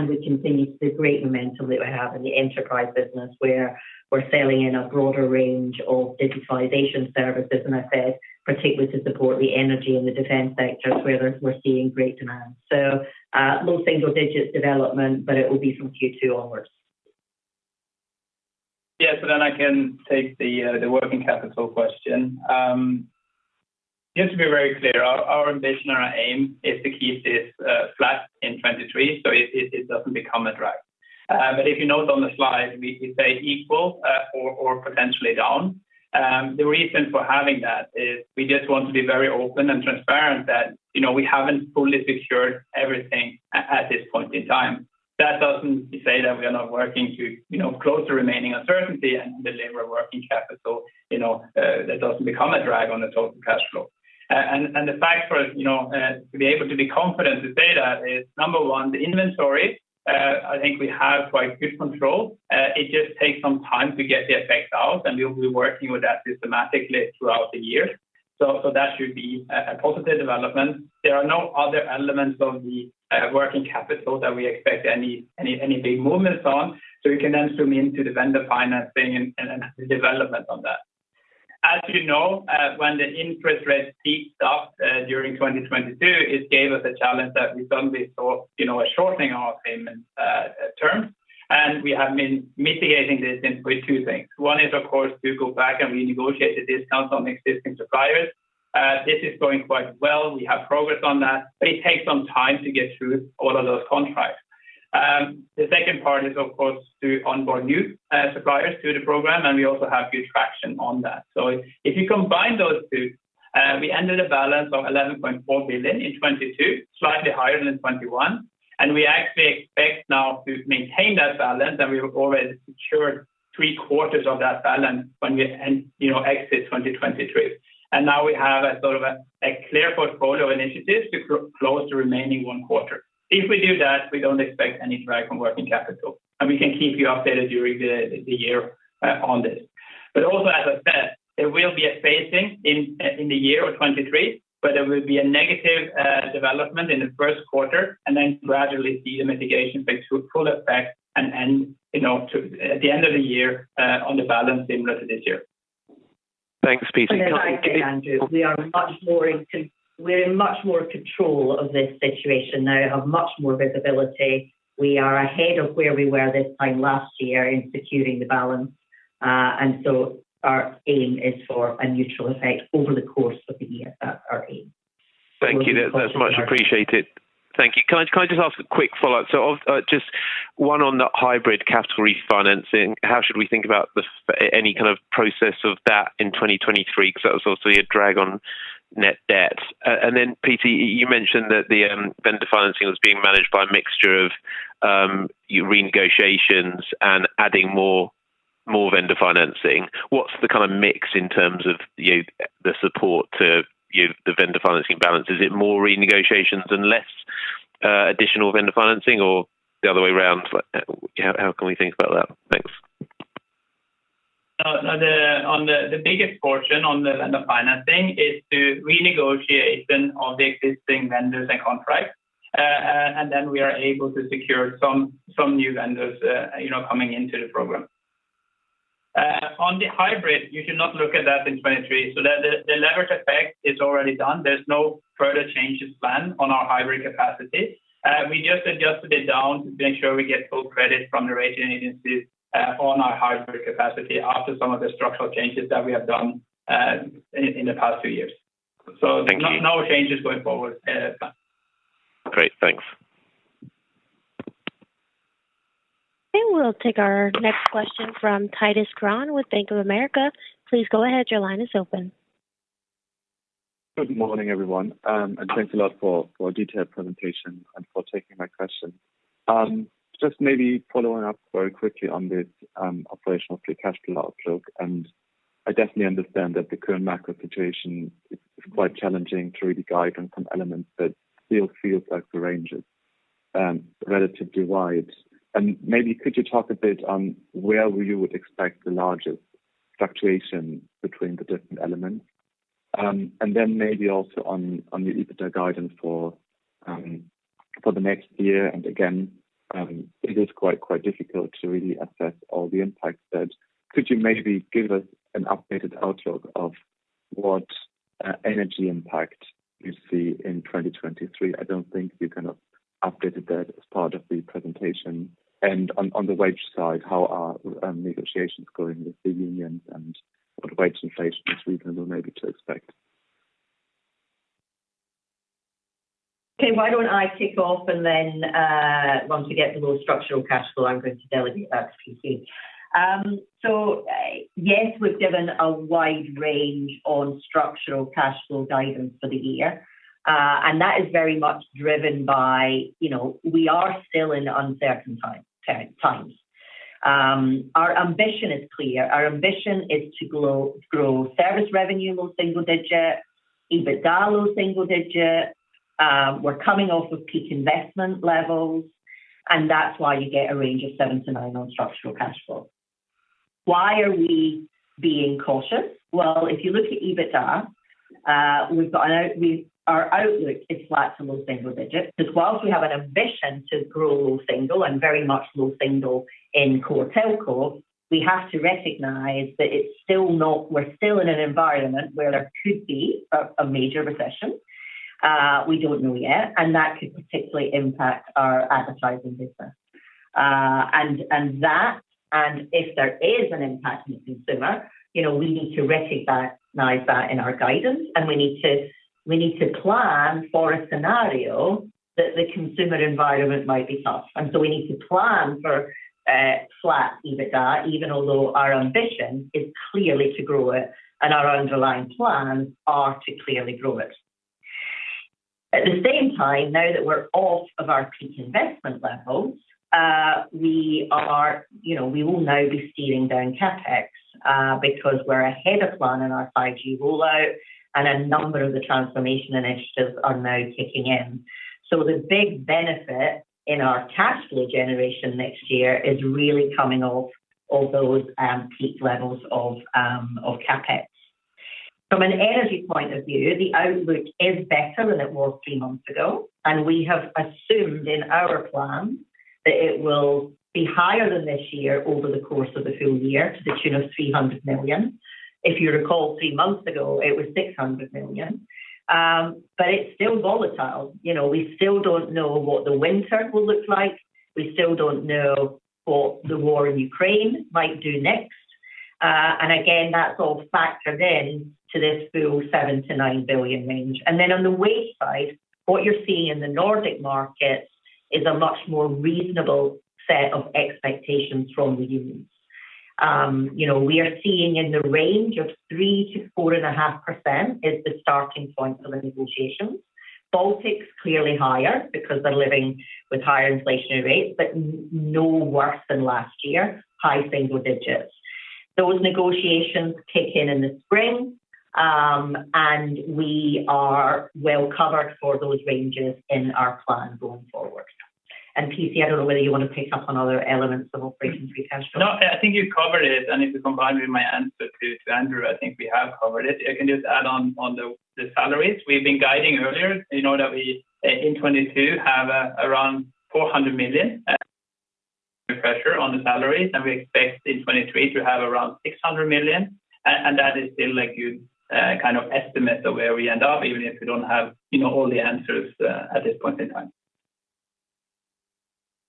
We continue the great momentum that we have in the enterprise business, where we're selling in a broader range of digitalization services, and I said, particularly to support the energy and the defense sectors, where we're seeing great demand. Low single digits development, but it will be from Q2 onwards. Yeah. I can take the working capital question. Just to be very clear, our ambition or our aim is to keep this flat in 2023, so it doesn't become a drag. If you note on the slide, we say equal or potentially down. The reason for having that is we just want to be very open and transparent that, you know, we haven't fully secured everything at this point in time. That doesn't say that we are not working to, you know, close the remaining uncertainty and deliver working capital, you know, that doesn't become a drag on the total cash flow. The fact for us, you know, to be able to be confident to say that is, number one, the inventory, I think we have quite good control. It just takes some time to get the effect out, and we'll be working with that systematically throughout the year. That should be a positive development. There are no other elements of the working capital that we expect any big movements on. We can then zoom into the vendor financing and the development on that. As you know, when the interest rates peaked up during 2022, it gave us a challenge that we suddenly saw, you know, a shortening of our payment terms. We have been mitigating this in with two things. One is, of course, to go back and renegotiate the discounts on existing suppliers. This is going quite well. We have progress on that, but it takes some time to get through all of those contracts. The second part is, of course, to onboard new suppliers to the program. We also have good traction on that. If you combine those two, we ended a balance of 11.4 billion in 2022, slightly higher than 2021. We actually expect now to maintain that balance. We have already secured three quarters of that balance when we end, you know, exit 2023. Now we have a sort of a clear portfolio initiative to close the remaining one quarter. If we do that, we don't expect any drag on working capital, and we can keep you updated during the year on this. Also, as I said, there will be a phasing in in the year of 23, but there will be a negative development in the first quarter and then gradually see the mitigation take full effect and, you know, at the end of the year on the balance same as this year. Thanks, P.C. As Andrew, we are much more in much more control of this situation now, have much more visibility. We are ahead of where we were this time last year in securing the balance. Our aim is for a neutral effect over the course of the year. That's our aim. Thank you. That's much appreciated. Thank you. Can I just ask a quick follow-up? just one on the hybrid capital refinancing. How should we think about any kind of process of that in 2023? That was also a drag on net debt. P.C., you mentioned that the vendor financing was being managed by a mixture of your renegotiations and adding more vendor financing. What's the kind of mix in terms of the support to the vendor financing balance? Is it more renegotiations and less additional vendor financing or the other way around? How can we think about that? Thanks. The biggest portion on the vendor financing is to renegotiation of the existing vendors and contracts. We are able to secure some new vendors, you know, coming into the program. On the hybrid, you should not look at that in 2023. The, the leverage effect is already done. There's no further changes planned on our hybrid capacity. We just adjusted it down to make sure we get full credit from the rating agencies, on our hybrid capacity after some of the structural changes that we have done, in the past two years. Thank you. No changes going forward, planned. Great. Thanks. We'll take our next question from Titus Krahn with Bank of America. Please go ahead. Your line is open. Good morning, everyone, thanks a lot for a detailed presentation and for taking my question. Just maybe following up very quickly on the operational free cash flow outlook, I definitely understand that the current macro situation is quite challenging to really guide on some elements, but still feels like the range is relatively wide. Maybe could you talk a bit on where you would expect the largest fluctuation between the different elements? Then maybe also on your EBITDA guidance for the next year. Again, it is quite difficult to really assess all the impacts that. Could you maybe give us an updated outlook of what energy impact you see in 2023? I don't think you kind of updated that as part of the presentation. On the wage side, how are negotiations going with the unions and what wage inflation in Sweden we're maybe to expect? Okay. Why don't I kick off and then, once we get to more structural cash flow, I'm going to delegate that to P.C. Yes, we've given a wide range on structural cash flow guidance for the year, and that is very much driven by, you know, we are still in uncertain times. Our ambition is clear. Our ambition is to grow service revenue low single-digit, EBITDA low single-digit. We're coming off of peak investment levels, and that's why you get a range of seven to nine on structural cash flow. Why are we being cautious? Well, if you look at EBITDA, we've got our outlook is flat to low single-digits. Because whilst we have an ambition to grow low single and very much low single in core telco, we have to recognize that we're still in an environment where there could be a major recession. We don't know yet, and that could particularly impact our advertising business. And that and if there is an impact on the consumer, you know, we need to recognize that in our guidance, and we need to plan for a scenario that the consumer environment might be tough. So we need to plan for flat EBITDA, even although our ambition is clearly to grow it and our underlying plans are to clearly grow it. At the same time, now that we're off of our peak investment levels, we are, you know, we will now be steering down CapEx, because we're ahead of plan in our 5G rollout and a number of the transformation initiatives are now kicking in. The big benefit in our cash flow generation next year is really coming off all those peak levels of CapEx. From an energy point of view, the outlook is better than it was three months ago, and we have assumed in our plan that it will be higher than this year over the course of the full year to the tune of 300 million. If you recall, three months ago, it was 600 million. It's still volatile. You know, we still don't know what the winter will look like. We still don't know what the war in Ukraine might do next. Again, that's all factored in to this full 7 billion-9 billion range. Then on the wage side, what you're seeing in the Nordic markets is a much more reasonable set of expectations from the unions. You know, we are seeing in the range of 3%-4.5% is the starting point for the negotiations. Baltic is clearly higher because they're living with higher inflationary rates, but no worse than last year, high single digits. Those negotiations kick in in the spring, and we are well covered for those ranges in our plan going forward. P.C., I don't know whether you want to pick up on other elements of operations we have. No, I think you covered it, and if you combine with my answer to Andrew, I think we have covered it. I can just add on the salaries. We've been guiding earlier, you know that we in 2022 have around 400 million pressure on the salaries, and we expect in 2023 to have around 600 million. That is still a good kind of estimate of where we end up, even if you don't have, you know, all the answers at this point in time.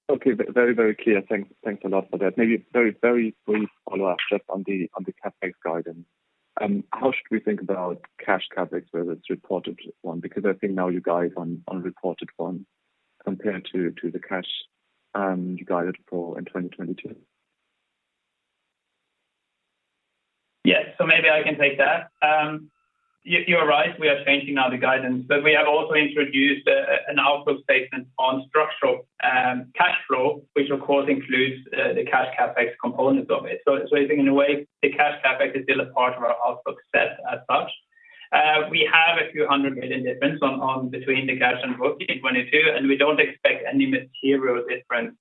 Okay. Very clear. Thanks a lot for that. Maybe a very brief follow-up just on the CapEx guidance. How should we think about cash CapEx, whether it's reported one? I think now you guide on reported one compared to the cash you guided for in 2022. Yes. Maybe I can take that. You're right, we are changing now the guidance. We have also introduced an outlook statement on structural cash flow, which of course includes the cash CapEx component of it. I think in a way the cash CapEx is still a part of our outlook set as such. We have SEK a few hundred million difference on between the cash and book in 2022, and we don't expect any material difference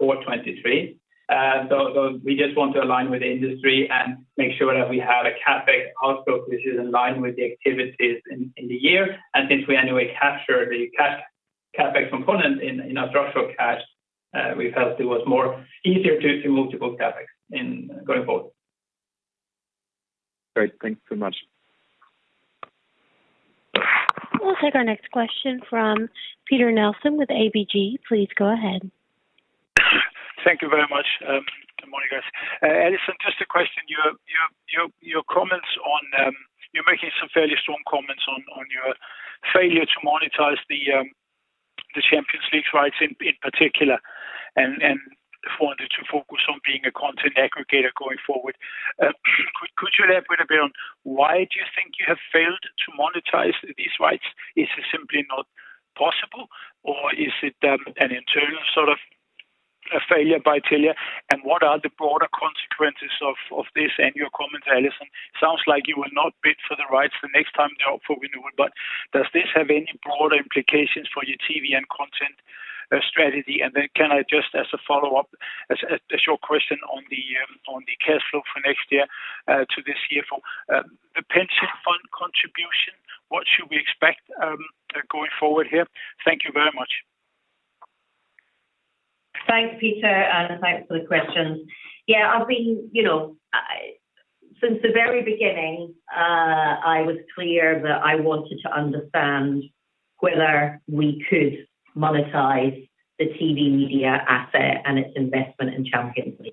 for 2023. We just want to align with the industry and make sure that we have a CapEx outlook which is in line with the activities in the year. Since we anyway capture the cash CapEx component in our structural cash, we felt it was more easier to move to book CapEx in going forward. Great. Thank you so much. We'll take our next question from Peter Nelson with ABG. Please go ahead. Thank you very much. Good morning, guys. Allison, just a question. Your comments on, you're making some fairly strong comments on your failure to monetize the Champions League rights in particular, and for you to focus on being a content aggregator going forward. Could you elaborate a bit on why do you think you have failed to monetize these rights? Is it simply not possible, or is it, an internal sort of a failure by Telia? What are the broader consequences of this and your comments, Allison? Sounds like you will not bid for the rights the next time they're up for renewal. Does this have any broader implications for your TV and content, strategy? Can I just as a follow-up, as your question on the cash flow for next year to this year for the pension fund contribution, what should we expect going forward here? Thank you very much. Thanks, Peter, and thanks for the questions. Yeah, I've been, you know, since the very beginning, I was clear that I wanted to understand whether we could monetize the TV media asset and its investment in Champions League.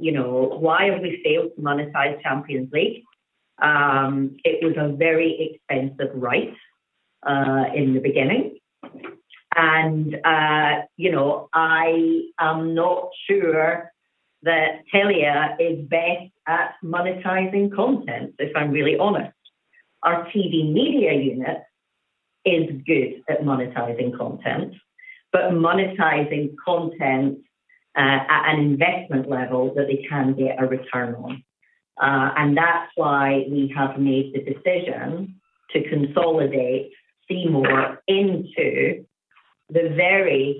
You know, why have we failed to monetize Champions League? It was a very expensive right in the beginning. You know, I am not sure that Telia is best at monetizing content, if I'm really honest. Our TV media unit is good at monetizing content, but monetizing content at an investment level that they can get a return on. That's why we have made the decision to consolidate C More into the very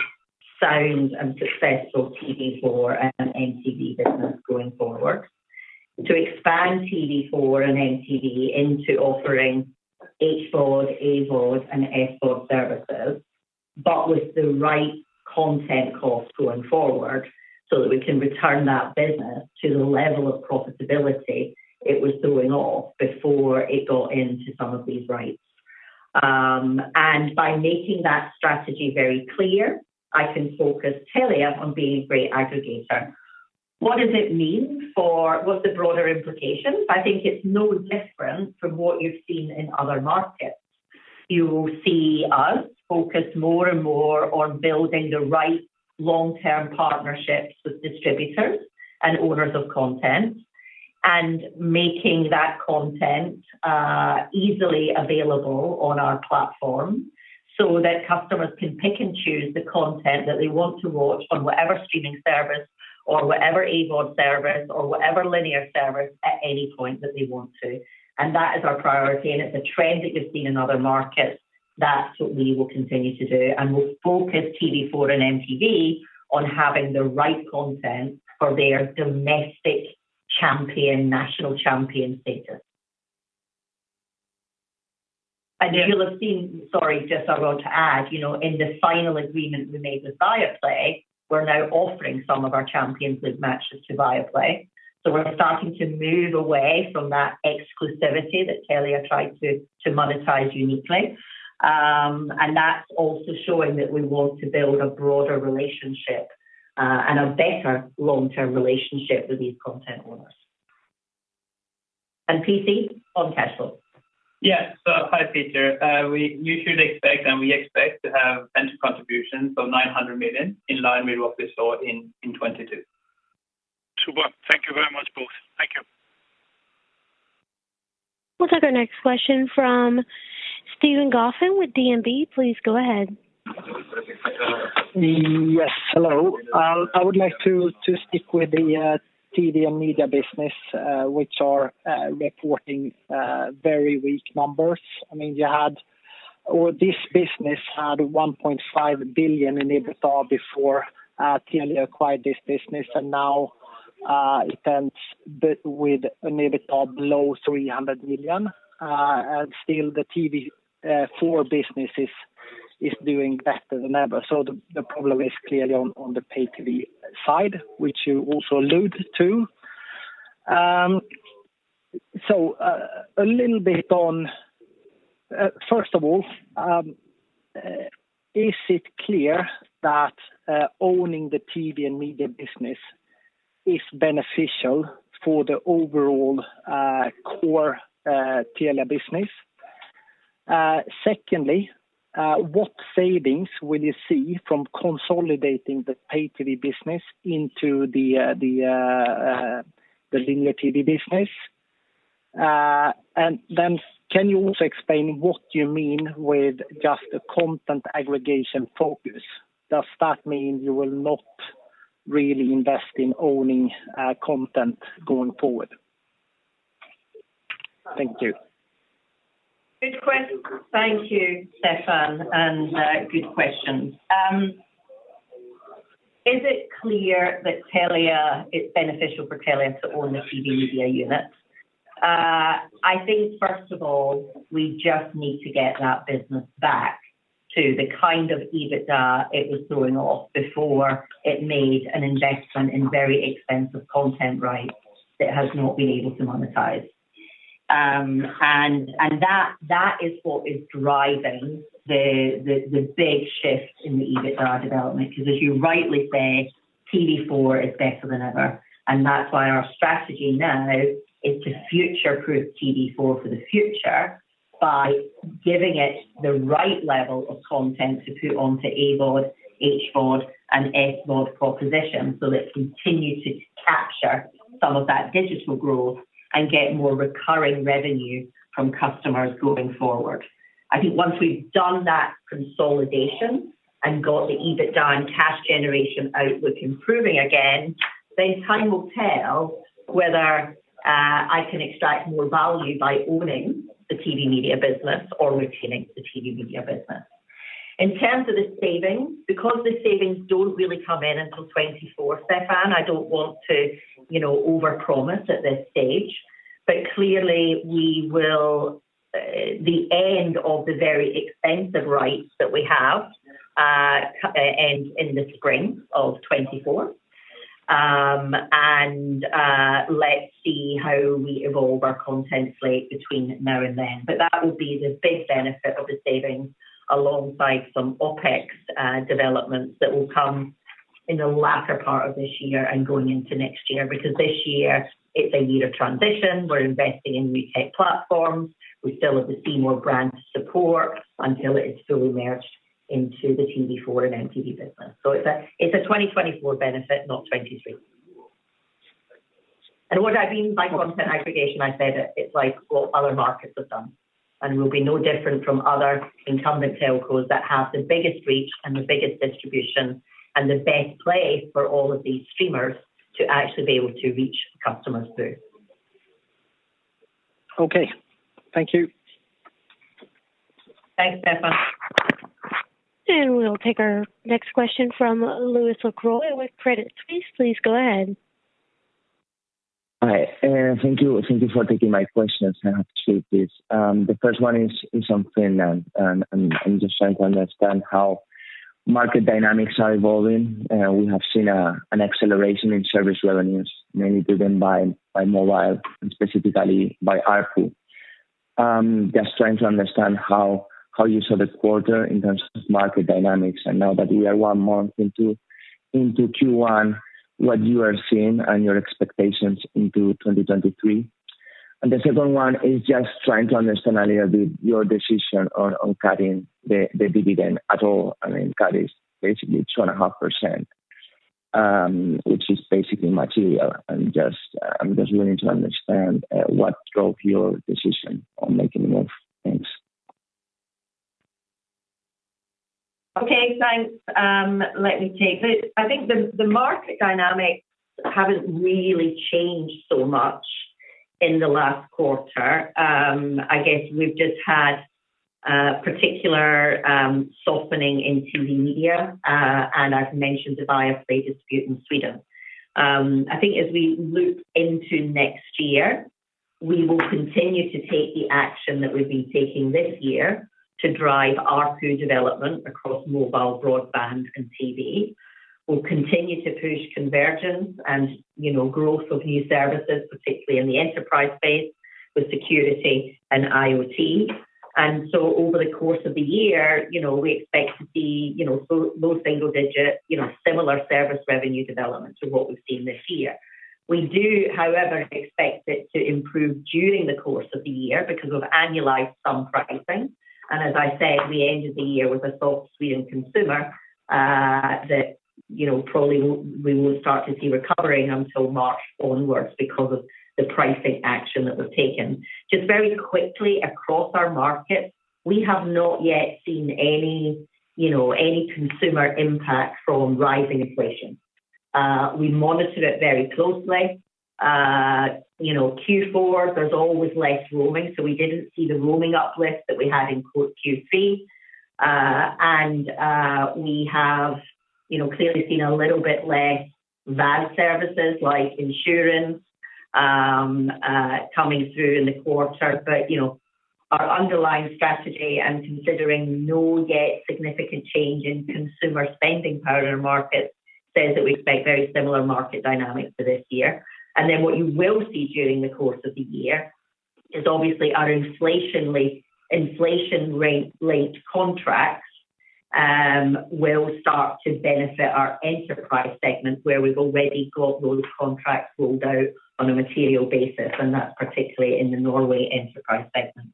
sound and successful TV4 and MTV business going forward, to expand TV4 and MTV into offering HVOD, AVOD, and SVOD services, but with the right content costs going forward so that we can return that business to the level of profitability it was doing off before it got into some of these rights. By making that strategy very clear, I can focus Telia on being a great aggregator. What's the broader implications? I think it's no different from what you've seen in other markets. You see us focus more and more on building the right long-term partnerships with distributors and owners of content and making that content easily available on our platform so that customers can pick and choose the content that they want to watch on whatever streaming service or whatever AVOD service or whatever linear service at any point that they want to. That is our priority, and it's a trend that you've seen in other markets. That's what we will continue to do, and we'll focus TV4 and MTV on having the right content for their domestic champion, national champion status. You'll have seen. Sorry, just I want to add, you know, in the final agreement we made with Viaplay, we're now offering some of our Champions League matches to Viaplay. We're starting to move away from that exclusivity that Telia tried to monetize uniquely. That's also showing that we want to build a broader relationship, and a better long-term relationship with these content owners. P.C., on cash flow. Hi, Peter. you should expect, and we expect to have central contributions of 900 million in line with what we saw in 2022. Super. Thank you very much, both. Thank you. We'll take our next question from Stefan Gauffin with DNB. Please go ahead. Yes, hello. I would like to stick with the TV and media business, which are reporting very weak numbers. I mean, you had or this business had 1.5 billion in EBITDA before Telia acquired this business. Now, it ends with an EBITDA below 300 million. And still the TV4 business is doing better than ever. The problem is clearly on the pay TV side, which you also allude to. A little bit on... First of all, is it clear that owning the TV and media business is beneficial for the overall core Telia business? Secondly, what savings will you see from consolidating the pay TV business into the linear TV business? Can you also explain what you mean with just a content aggregation focus? Does that mean you will not really invest in owning content going forward? Thank you. Thank you, Stefan. Good question. Is it clear that it's beneficial for Telia to own the TV media unit? I think first of all, we just need to get that business back to the kind of EBITDA it was throwing off before it made an investment in very expensive content rights that has not been able to monetize. That is what is driving the big shift in the EBITDA development. As you rightly say, TV4 is better than ever, and that's why our strategy now is to future-proof TV4 for the future by giving it the right level of content to put onto AVOD, HVOD, and SVOD proposition. Let's continue to capture some of that digital growth and get more recurring revenue from customers going forward. I think once we've done that consolidation and got the EBITDA and cash generation outlook improving again, then time will tell whether I can extract more value by owning the TV media business or retaining the TV media business. In terms of the savings, because the savings don't really come in until 2024, Stefan, I don't want to, you know, overpromise at this stage. Clearly we will, the end of the very expensive rights that we have, end in the spring of 2024. Let's see how we evolve our content slate between now and then. That will be the big benefit of the savings alongside some OpEx developments that will come in the latter part of this year and going into next year. This year it's a year of transition. We're investing in new tech platforms. We still have to see more brand support until it is fully merged into the TV4 and MTV business. It's a 2024 benefit, not 2023. What I mean by content aggregation, I said it's like what other markets have done. We'll be no different from other incumbent telcos that have the biggest reach and the biggest distribution and the best play for all of these streamers to actually be able to reach customers through. Okay. Thank you. Thanks, Stefan. We'll take our next question from [Louis Lacour with Credit Suisse.] Please go ahead. Hi, thank you. Thank you for taking my questions. I have two, please. The first one is something I'm just trying to understand how market dynamics are evolving. We have seen an acceleration in service revenues, mainly driven by mobile and specifically by ARPU. Just trying to understand how you saw the quarter in terms of market dynamics. Now that we are one month into Q1, what you are seeing and your expectations into 2023. The second one is just trying to understand a little bit your decision on cutting the dividend at all. I mean, cut is basically 2.5%, which is basically material. I'm just willing to understand what drove your decision on making the move. Thanks. Okay, thanks. Let me take. I think the market dynamics haven't really changed so much in the last quarter. I guess we've just had particular softening in TV media. I've mentioned the Viaplay dispute in Sweden. I think as we look into next year, we will continue to take the action that we've been taking this year to drive ARPU development across mobile, broadband, and TV. We'll continue to push convergence and, you know, growth of new services, particularly in the enterprise space with security and IoT. Over the course of the year, you know, we expect to see, you know, so low single-digit, you know, similar service revenue development to what we've seen this year. We do, however, expect it to improve during the course of the year because we've annualized some pricing. As I said, we ended the year with a soft Sweden consumer, that, you know, probably we won't start to see recovering until March onwards because of the pricing action that was taken. Just very quickly across our markets, we have not yet seen any, you know, any consumer impact from rising inflation. We monitor it very closely. You know, Q4, there's always less roaming, so we didn't see the roaming uplift that we had in quote Q3. We have, you know, clearly seen a little bit less VAS services like insurance, coming through in the quarter. You know, our underlying strategy and considering no yet significant change in consumer spending power in our market says that we expect very similar market dynamics for this year. What you will see during the course of the year is obviously our inflation rate linked contracts will start to benefit our enterprise segment, where we've already got those contracts rolled out on a material basis, and that's particularly in the Norway enterprise segment.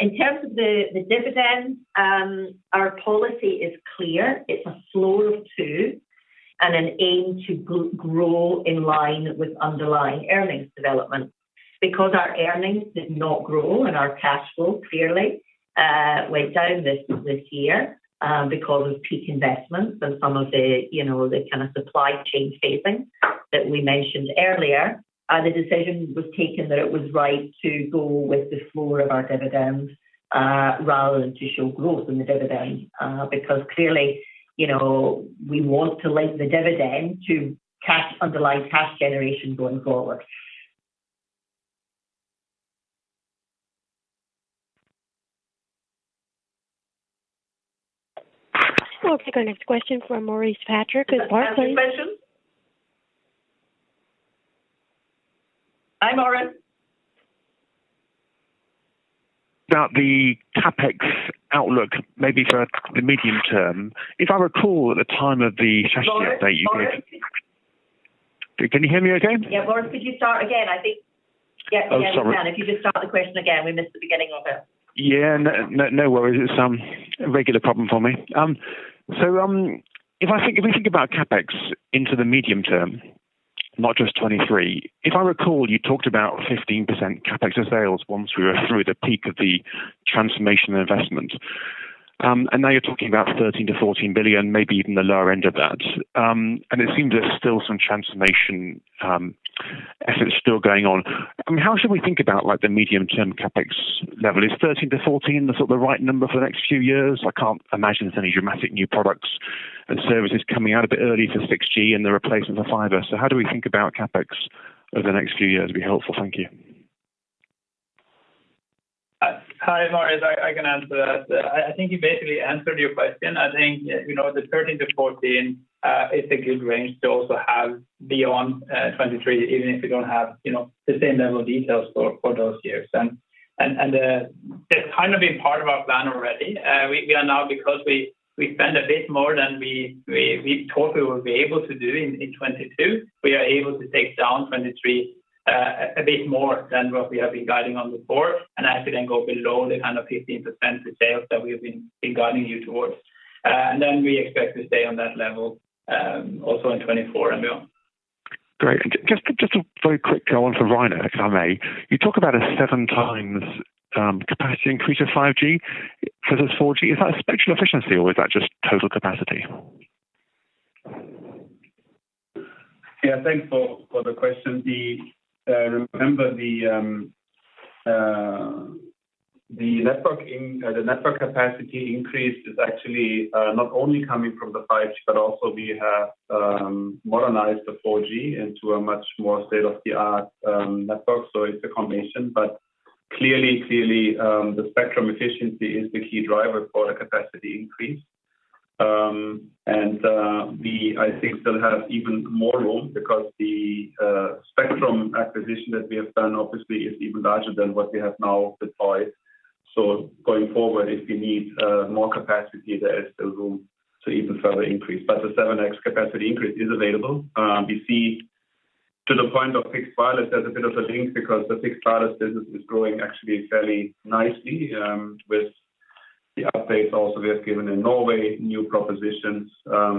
In terms of the dividend, our policy is clear. It's a floor of 2 and an aim to grow in line with underlying earnings development. Our earnings did not grow and our cash flow clearly went down this year, because of peak investments and some of the, you know, the kind of supply chain savings that we mentioned earlier, the decision was taken that it was right to go with the floor of our dividend, rather than to show growth in the dividend, because clearly, you know, we want to link the dividend to cash, underlying cash generation going forward. We'll take our next question from Maurice Patrick with Barclays. Next question. Hi, Maurice. About the CapEx outlook, maybe for the medium term. If I recall at the time of the strategy update. Maurice. Can you hear me again? Yeah. Maurice, could you start again? Yeah. Oh, sorry. If you can just start the question again. We missed the beginning of it. No, no worries. It's a regular problem for me. If we think about CapEx into the medium term, not just 2023. If I recall, you talked about 15% CapEx of sales once we were through the peak of the transformation investment. Now you're talking about 13 billion-14 billion, maybe even the lower end of that. It seems there's still some transformation effort still going on. I mean, how should we think about, like, the medium term CapEx level? Is 13billion-14 billion the sort of right number for the next few years? I can't imagine there's any dramatic new products and services coming out a bit early for 6G and the replacement for fiber. How do we think about CapEx over the next few years would be helpful. Thank you. Hi, Maurice. I can answer that. I think he basically answered your question. I think, you know, the 13 billion-14 billion is a good range to also have beyond 2023, even if we don't have, you know, the same level of details for those years. It's kind of been part of our plan already. We are now because we spend a bit more than we thought we would be able to do in 2022. We are able to take down 2023 a bit more than what we have been guiding on before, and actually then go below the kind of 15% of sales that we have been guiding you towards. Then we expect to stay on that level also in 2024 and beyond. Great. Just a very quick one for Rainer, if I may. You talk about a 7x capacity increase of 5G versus 4G. Is that spectral efficiency or is that just total capacity? Thanks for the question. Remember the network capacity increase is actually not only coming from the 5G, but also we have modernized the 4G into a much more state-of-the-art network, so it's a combination. Clearly, clearly, the spectrum efficiency is the key driver for the capacity increase. We, I think, still have even more room because the spectrum acquisition that we have done obviously is even larger than what we have now deployed. Going forward, if we need more capacity, there is still room to even further increase. The 7x capacity increase is available. We see to the point of fixed wireless as a bit of a link because the fixed wireless business is growing actually fairly nicely, with the updates also we have given in Norway, new propositions,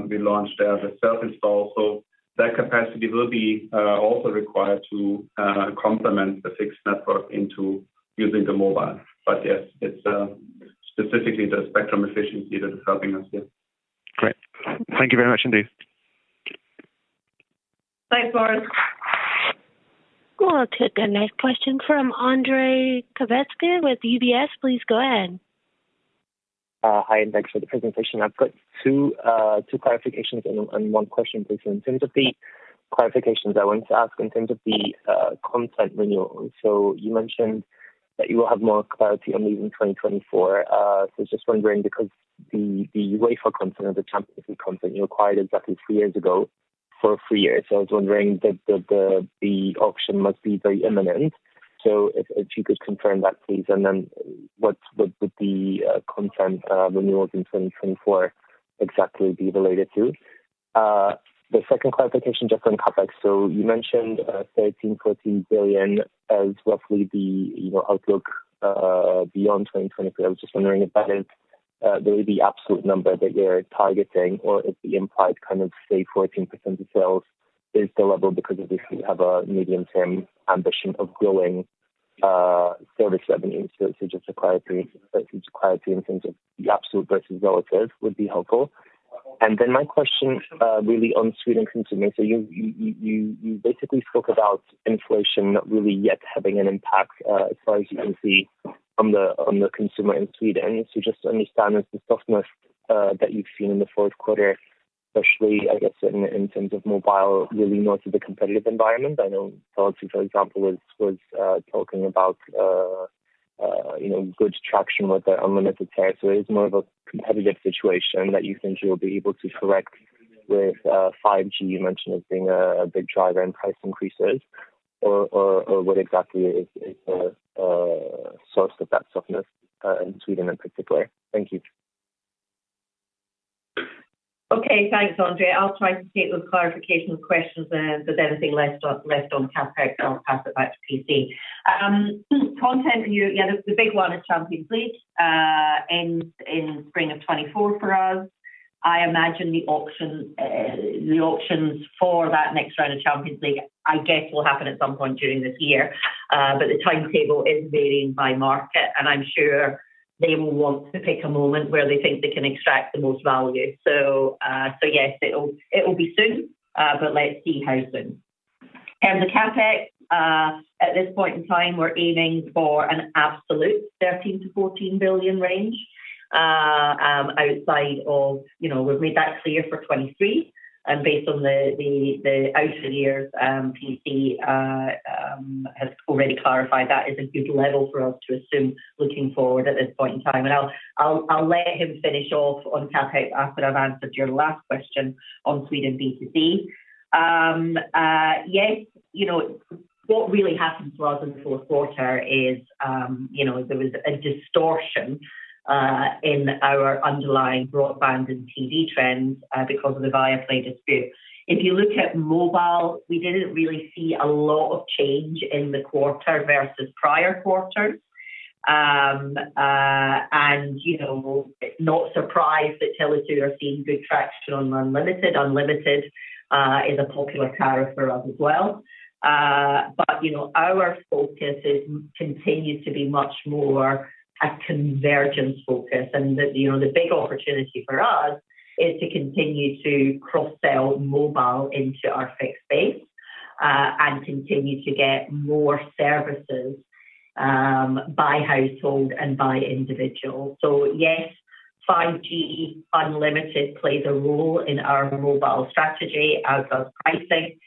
we launched as a self-install. That capacity will be also required to complement the fixed network into using the mobile. Yes, it's specifically the spectrum efficiency that is helping us here. Great. Thank you very much indeed. Thanks, Maurice. We'll take a next question from Ondrej Cabejsek with UBS. Please go ahead. Hi, thanks for the presentation. I've got two clarifications and one question, please. In terms of the clarifications, I wanted to ask in terms of the content renewal. You mentioned that you will have more clarity on it in 2024. Just wondering because the UEFA content or the Champions League content you acquired exactly three years ago. For three years, I was wondering that the, the auction must be very imminent. If you could confirm that, please. What, what would the content renewals in 2024 exactly be related to? The second clarification just on CapEx. You mentioned, 13 billion-14 billion as roughly the, you know, outlook, beyond 2024. I was just wondering if that is, the absolute number that you're targeting or if the implied kind of say 14% of sales is the level because obviously you have a medium-term ambition of growing, service revenue. To just acquire 330 to acquire three in terms of the absolute versus relative would be helpful. Then my question, really on Sweden consumers, you basically spoke about inflation not really yet having an impact, as far as you can see on the, on the consumer in Sweden. Just to understand the softness, that you've seen in the Q4, especially I guess in terms of mobile, really not the competitive environment. I know Telus, for example, was talking about, you know, good traction with the unlimited plans. It is more of a competitive situation that you think you'll be able to correct with, 5G, you mentioned as being a big driver in price increases or what exactly is the source of that softness, in Sweden in particular? Thank you. Okay. Thanks, Andre. I'll try to take those clarification questions. Anything left on CapEx, I'll pass it back to P.C. Content view. Yeah, the big one is Champions League, ends in spring of 2024 for us. I imagine the auction, the auctions for that next round of Champions League, I guess, will happen at some point during this year. The timetable is varying by market, and I'm sure they will want to pick a moment where they think they can extract the most value. Yes, it'll be soon, but let's see how soon. The CapEx, at this point in time, we're aiming for an absolute 13 billion-14 billion range. Outside of, you know, we've made that clear for 2023 and based on the outer years, P.C., has already clarified that is a good level for us to assume looking forward at this point in time. I'll let him finish off on CapEx after I've answered your last question on Sweden B2C. Yes. You know, what really happened to us in the fourth quarter is, you know, there was a distortion in our underlying broadband and TV trends because of the Viaplay dispute. If you look at mobile, we didn't really see a lot of change in the quarter versus prior quarters. You know, not surprised that Telus too are seeing good traction on unlimited. Unlimited is a popular tariff for us as well. You know, our focus is continues to be much more a convergence focus. The, you know, the big opportunity for us is to continue to cross-sell mobile into our fixed base, and continue to get more services by household and by individual. Yes, 5G unlimited plays a role in our mobile strategy as does pricing.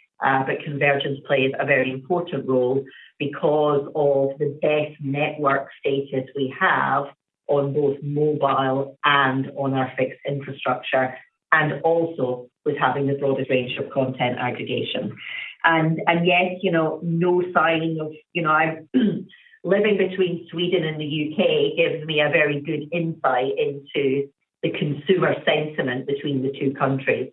Convergence plays a very important role because of the best network status we have on both mobile and on our fixed infrastructure, and also with having the broadest range of content aggregation. Yes, you know, no signing of, you know, I've living between Sweden and the U.K. gives me a very good insight into the consumer sentiment between the two countries.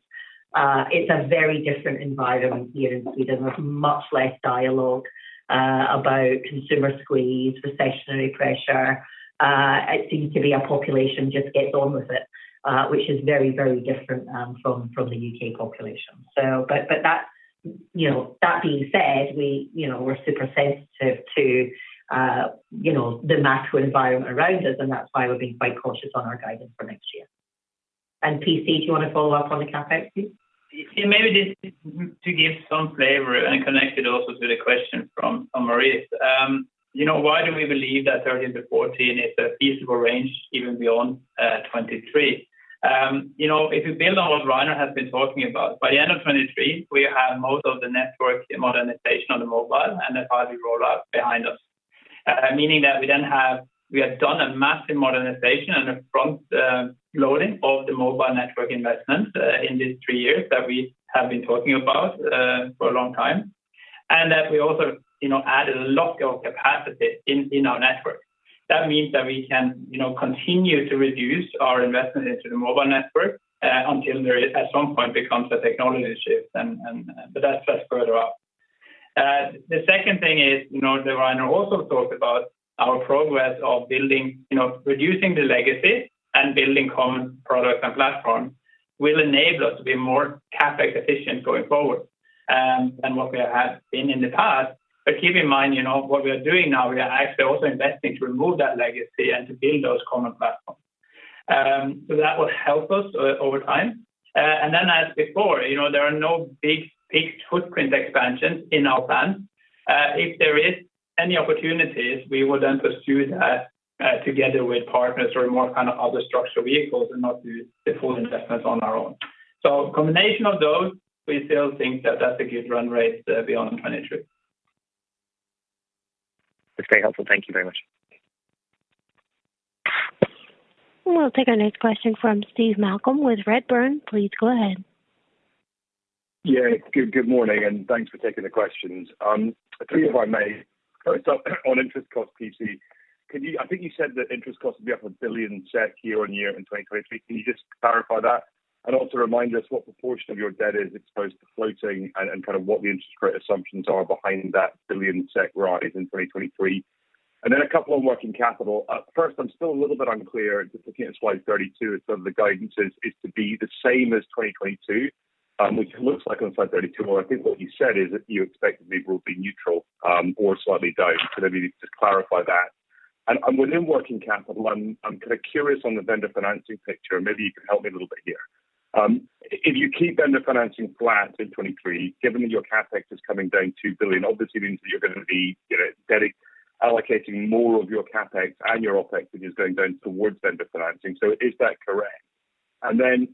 It's a very different environment here in Sweden. There's much less dialogue about consumer squeeze, recessionary pressure. It seems to be our population just gets on with it, which is very, very different, from the U.K. population. But that, you know, that being said, we, you know, we're super sensitive to, you know, the macro environment around us, and that's why we're being quite cautious on our guidance for next year. P.C., do you wanna follow up on the CapEx please? Yeah. Maybe just to give some flavor and connect it also to the question from Maurice. You know, why do we believe that 13-14 is a feasible range even beyond 2023? You know, if you build on what Rainer has been talking about, by the end of 2023, we have most of the network modernization on the mobile and the 5G rollout behind us. Meaning that we then have done a massive modernization and a front loading of the mobile network investment in these three years that we have been talking about for a long time. That we also, you know, added a lot of capacity in our network. That means that we can, you know, continue to reduce our investment into the mobile network until there is at some point becomes a technology shift and, but that's further out. The second thing is, you know, that Rainer Deutschmann also talked about our progress of building, you know, reducing the legacy and building common products and platforms will enable us to be more CapEx efficient going forward than what we have been in the past. Keep in mind, you know, what we are doing now, we are actually also investing to remove that legacy and to build those common platforms. That will help us over time. As before, you know, there are no big peaked footprint expansions in our plan. If there is any opportunities, we will then pursue that together with partners or in what kind of other structure vehicles and not do the full investments on our own. Combination of those, we still think that that's a good run rate beyond 2023. That's very helpful. Thank you very much. We'll take our next question from Steve Malcolm with Redburn. Please go ahead. Yeah. Good morning. Thanks for taking the questions. Three if I may. First up on interest cost P.C. I think you said that interest costs will be up 1 billion SEK year-on-year in 2023. Can you just clarify that? Also remind us what proportion of your debt is exposed to floating and kind of what the interest rate assumptions are behind that 1 billion rise in 2023. Then a couple on working capital. First, I'm still a little bit unclear just looking at slide 32 at some of the guidances is to be the same as 2022, which it looks like on slide 32. I think what you said is that you expect it maybe will be neutral or slightly down. Could maybe just clarify that. Within working capital, I'm kind of curious on the vendor financing picture, and maybe you can help me a little bit here. If you keep vendor financing flat in 2023, given that your CapEx is coming down 2 billion, obviously means that you're gonna be, you know, allocating more of your CapEx and your OpEx is going down towards vendor financing. Is that correct? Then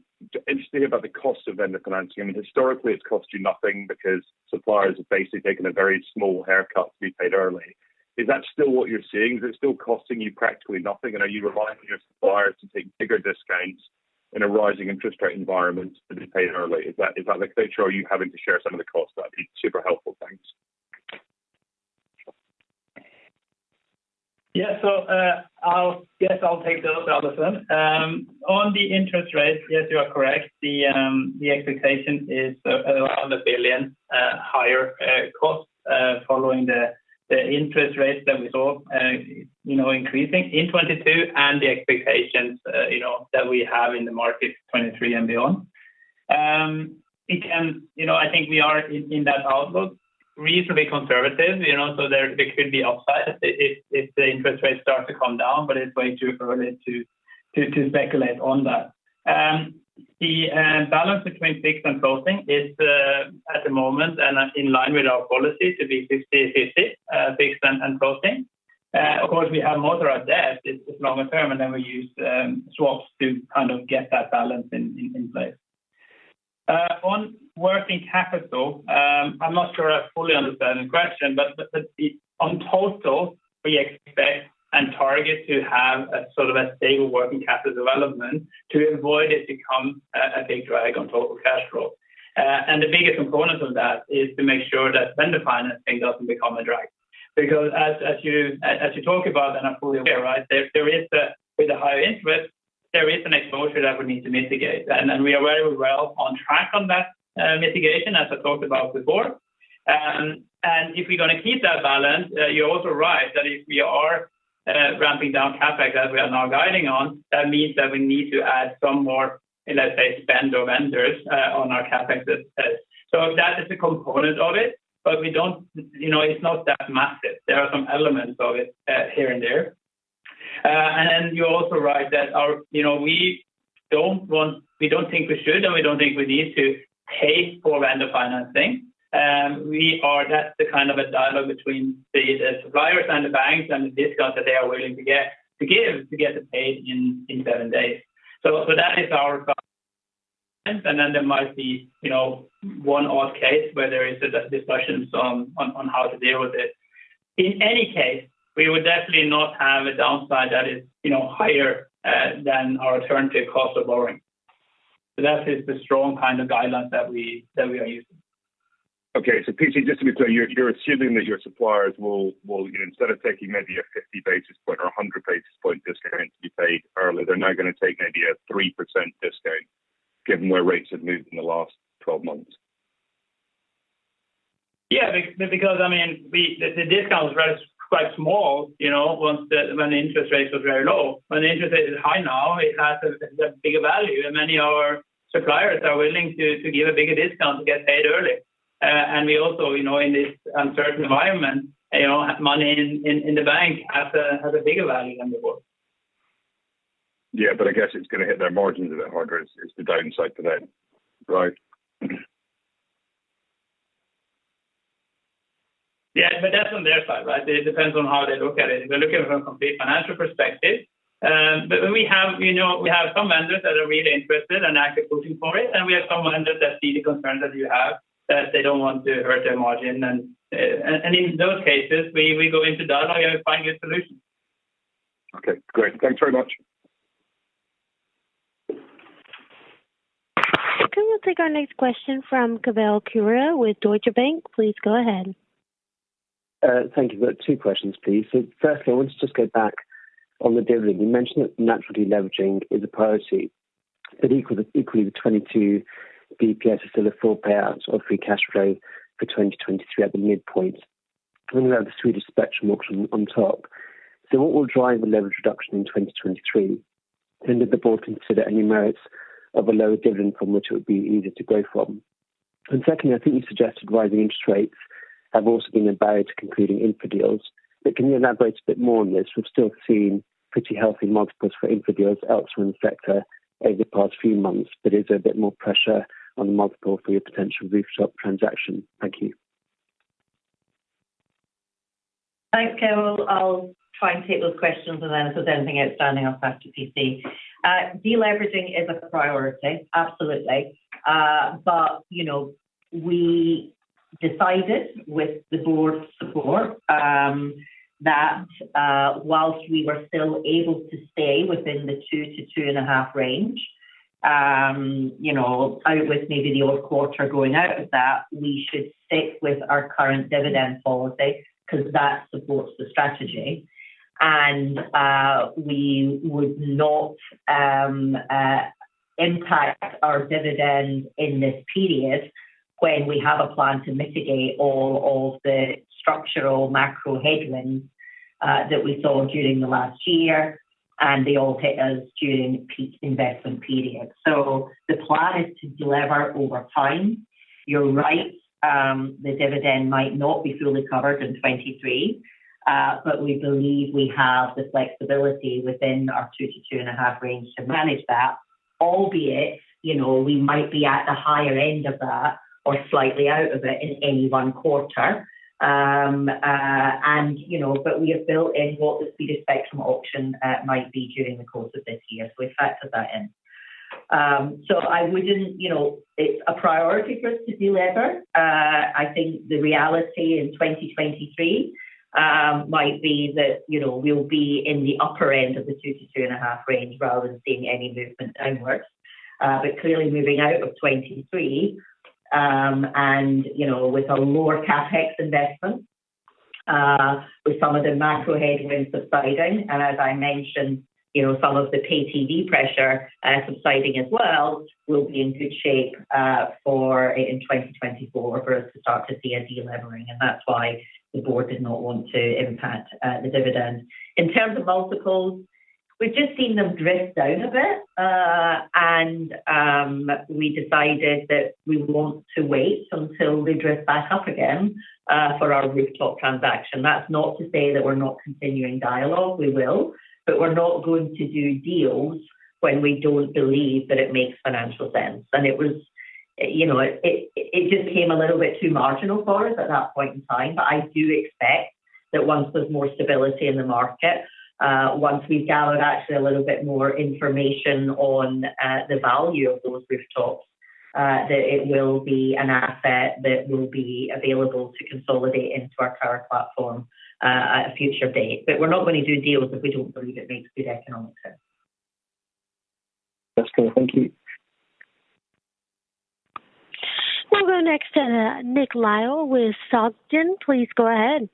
interested to hear about the cost of vendor financing. I mean, historically, it's cost you nothing because suppliers have basically taken a very small haircut to be paid early. Is that still what you're seeing? Is it still costing you practically nothing? Are you relying on your suppliers to take bigger discounts in a rising interest rate environment to be paid early? Is that the picture, or are you having to share some of the costs? That'd be super helpful. Thanks. Yes, I'll take those, Allison. On the interest rates, yes, you are correct. The expectation is around 1 billion higher cost following the interest rates that we saw, you know, increasing in 2022 and the expectations, you know, that we have in the market 2023 and beyond. You know, I think we are in that outlook reasonably conservative, you know, so there could be upside if the interest rates start to come down, but it's way too early to speculate on that. The balance between fixed and floating is at the moment and in line with our policy to be 50/50 fixed and floating. Of course, we have more of our debt is longer term, then we use swaps to kind of get that balance in place. On working capital, I'm not sure I fully understand the question. On total, we expect and target to have a sort of a stable working capital development to avoid it become a big drag on total cash flow. The biggest component of that is to make sure that vendor financing doesn't become a drag. As you talk about, I fully agree, right? There is a, with the higher interest, there is an exposure that we need to mitigate. We are very well on track on that mitigation as I talked about before. If we're gonna keep that balance, you're also right that if we are ramping down CapEx as we are now guiding on, that means that we need to add some more, let's say, spend of vendors on our CapEx as said. That is a component of it, but we don't. You know, it's not that massive. There are some elements of it here and there. Then you're also right that our. You know, we don't think we should, and we don't think we need to pay for vendor financing. We are. That's the kind of a dialogue between the suppliers and the banks and the discount that they are willing to give to get paid in seven days. That is our preference. There might be, you know, one odd case where there is a discussion on how to deal with it. In any case, we would definitely not have a downside that is, you know, higher than our alternative cost of borrowing. That is the strong kind of guideline that we are using. P.C., just to be clear, you're assuming that your suppliers will, you know, instead of taking maybe a 50 basis points or a 100 basis points discount to be paid early, they're now gonna take maybe a 3% discount given where rates have moved in the last 12 months? Yeah. Because, I mean, the discount was quite small, you know, when interest rates was very low. When interest rate is high now, it has a bigger value, and many of our suppliers are willing to give a bigger discount to get paid early. We also, you know, in this uncertain environment, you know, money in the bank has a bigger value than before. Yeah, I guess it's gonna hit their margins a bit harder is the downside to them, right? Yeah, that's on their side, right? It depends on how they look at it if they're looking from a complete financial perspective. When we have... You know, we have some vendors that are really interested and actively pushing for it. We have some vendors that see the concerns that you have, that they don't want to hurt their margin. In those cases, we go into dialogue and find good solutions. Okay, great. Thanks very much. We'll take our next question from Keval Khiroya with Deutsche Bank. Please go ahead. Thank you. Got two questions, please. Firstly, I want to just go back on the dividend. You mentioned that naturally leveraging is a priority, but equally the 22 basis points is still a full payout of free cash flow for 2023 at the midpoint. Then we have the Swedish spectrum auction on top. What will drive the leverage reduction in 2023? Did the board consider any merits of a lower dividend from which it would be easier to grow from? Secondly, I think you suggested rising interest rates have also been a barrier to concluding infra deals. Can you elaborate a bit more on this? We've still seen pretty healthy multiples for infra deals elsewhere in the sector over the past few months, but is there a bit more pressure on the multiple for your potential rooftop transaction? Thank you. Thanks, Keval. I'll try and take those questions, and then if there's anything outstanding, I'll pass to P.C. Deleveraging is a priority, absolutely. But you know, Decided with the board's support, that, whilst we were still able to stay within the two to 2.5 range, you know, out with maybe the odd quarter going out of that, we should stick with our current dividend policy because that supports the strategy. We would not impact our dividend in this period when we have a plan to mitigate all of the structural macro headwinds, that we saw during the last year, and they all hit us during peak investment period. The plan is to deliver over time. You're right. The dividend might not be fully covered in 2023, but we believe we have the flexibility within our two to 2.5 range to manage that, albeit, you know, we might be at the higher end of that or slightly out of it in any one quarter. You know, we have built in what the speed of spectrum auction might be during the course of this year. We've factored that in. I wouldn't, you know. It's a priority for us to delever. I think the reality in 2023 might be that, you know, we'll be in the upper end of the two to 2.5 range rather than seeing any movement downwards. Clearly moving out of 2023, and, you know, with a lower CapEx investment, with some of the macro headwinds subsiding, and as I mentioned, you know, some of the pay TV pressure, subsiding as well, we'll be in good shape, for in 2024 for us to start to see a delevering. That's why the board did not want to impact the dividend. In terms of multiples, we've just seen them drift down a bit, and we decided that we want to wait until they drift back up again, for our rooftop transaction. That's not to say that we're not continuing dialogue. We will. We're not going to do deals when we don't believe that it makes financial sense. It was, you know, it just became a little bit too marginal for us at that point in time. I do expect that once there's more stability in the market, once we've gathered actually a little bit more information on the value of those rooftops, that it will be an asset that will be available to consolidate into our tower platform at a future date. We're not going to do deals if we don't believe it makes good economic sense. That's clear. Thank you. We'll go next to Nick Lyall with SEB. Please go ahead.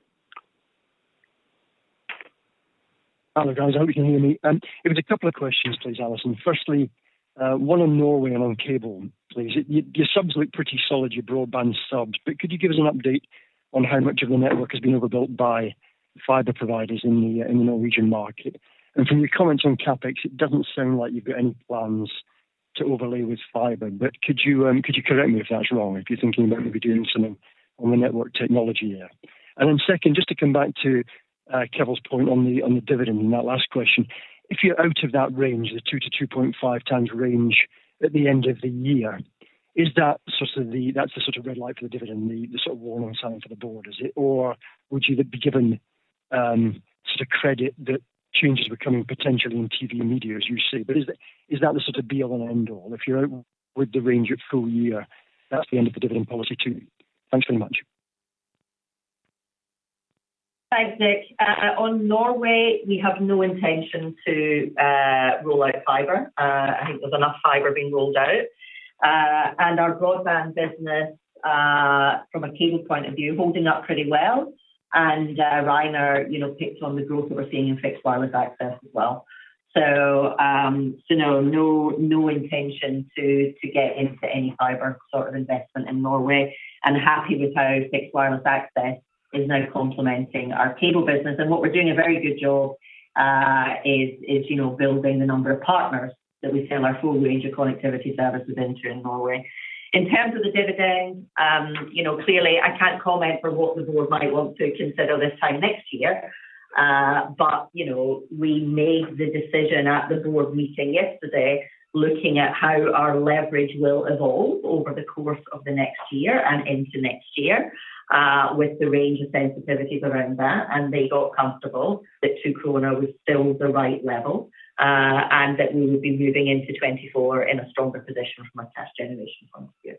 Hello, guys. I hope you can hear me. It was a couple of questions, please, Allison. Firstly, one on Norway and on cable, please. Your subs look pretty solid, your broadband subs, but could you give us an update on how much of the network has been overbuilt by fiber providers in the Norwegian market? From your comments on CapEx, it doesn't sound like you've got any plans to overlay with fiber. Could you correct me if that's wrong, if you're thinking you might be doing something on the network technology there? Then second, just to come back to Keval's point on the dividend in that last question. If you're out of that range, the 2x-2.5x range at the end of the year, is that sort of that's the sort of red light for the dividend, the sort of warning sign for the board, is it? Or would you be given sort of credit that changes were coming potentially in TV and media as you see? Is, is that the sort of be all and end all? If you're out with the range at full year, that's the end of the dividend policy, too. Thanks very much. Thanks, Nick. On Norway, we have no intention to roll out fiber. I think there's enough fiber being rolled out. Our broadband business, from a cable point of view, holding up pretty well. Rainer, you know, picked on the growth that we're seeing in fixed wireless access as well. No intention to get into any fiber sort of investment in Norway. Happy with how fixed wireless access is now complementing our cable business. What we're doing a very good job, you know, building the number of partners that we sell our full range of connectivity services into in Norway. In terms of the dividend, you know, clearly, I can't comment for what the board might want to consider this time next year. You know, we made the decision at the board meeting yesterday looking at how our leverage will evolve over the course of the next year and into next year, with the range of sensitivities around that. They got comfortable that 2 krona was still the right level, and that we would be moving into 2024 in a stronger position from a cash generation point of view.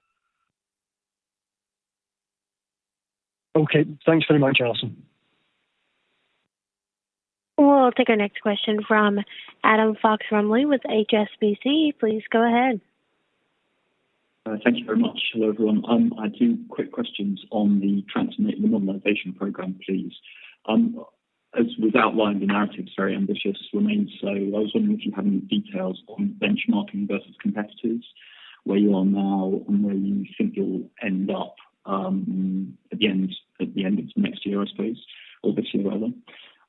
Okay. Thanks very much, Allison. We'll take our next question from Adam Fox-Rumley with HSBC. Please go ahead. Thank you very much. Hello, everyone. I have two quick questions on the modernization program, please. As was outlined, the narrative's very ambitious, remains so. I was wondering if you have any details on benchmarking versus competitors, where you are now and where you think you'll end up, at the end, at the end of next year, I suppose, or this year rather.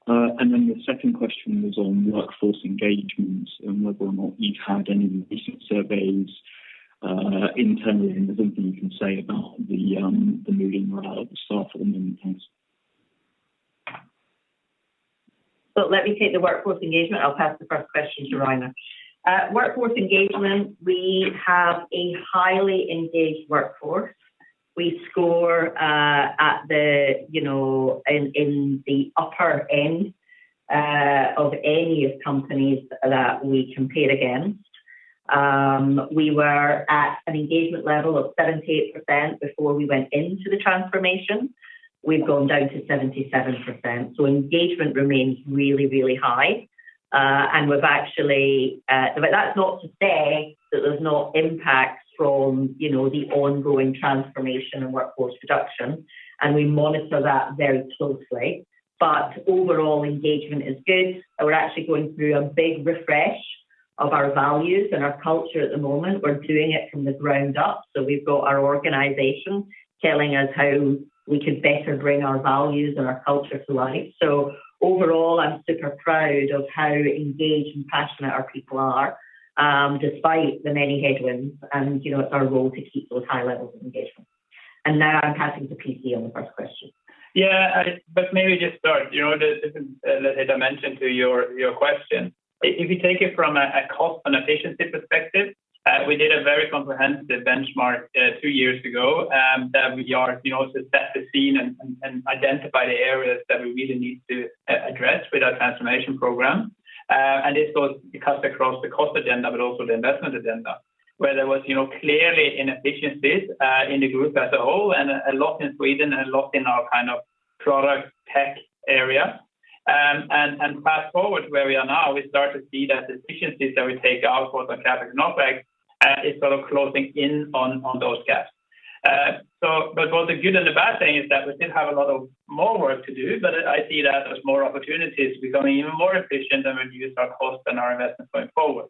Then the second question was on workforce engagement and whether or not you've had any recent surveys internally, and there's anything you can say about the moving around of the staff at the moment. Thanks. Let me take the workforce engagement. I'll pass the first question to Rainer Deutschmann. Workforce engagement, we have a highly engaged workforce. We score at the in the upper end of any of companies that we compete against. we were at an engagement level of 78% before we went into the transformation. We've gone down to 77%. Engagement remains really, really high. And we've actually, that's not to say that there's no impact from the ongoing transformation and workforce reduction, and we monitor that very closely. Overall engagement is good. We're actually going through a big refresh of our values and our culture at the moment. We're doing it from the ground up, we've got our organization telling us how we could better bring our values and our culture to life. Overall, I'm super proud of how engaged and passionate our people are, despite the many headwinds and, you know, it's our role to keep those high levels of engagement. Now I'm passing to P.C., on the first question. Yeah. Maybe just start, you know, there's a dimension to your question. If you take it from a cost and efficiency perspective, we did a very comprehensive benchmark two years ago, that we are, you know, to set the scene and identify the areas that we really need to address with our transformation program. It was cut across the cost agenda, but also the investment agenda, where there was, you know, clearly inefficiencies in the group as a whole, and a lot in Sweden, a lot in our kind of product tech area. Fast-forward where we are now, we start to see that the efficiencies that we take out for the CapEx and OpEx, is sort of closing in on those gaps. Both the good and the bad thing is that we still have a lot of more work to do, but I see that as more opportunities becoming even more efficient and reduce our cost and our investment going forward.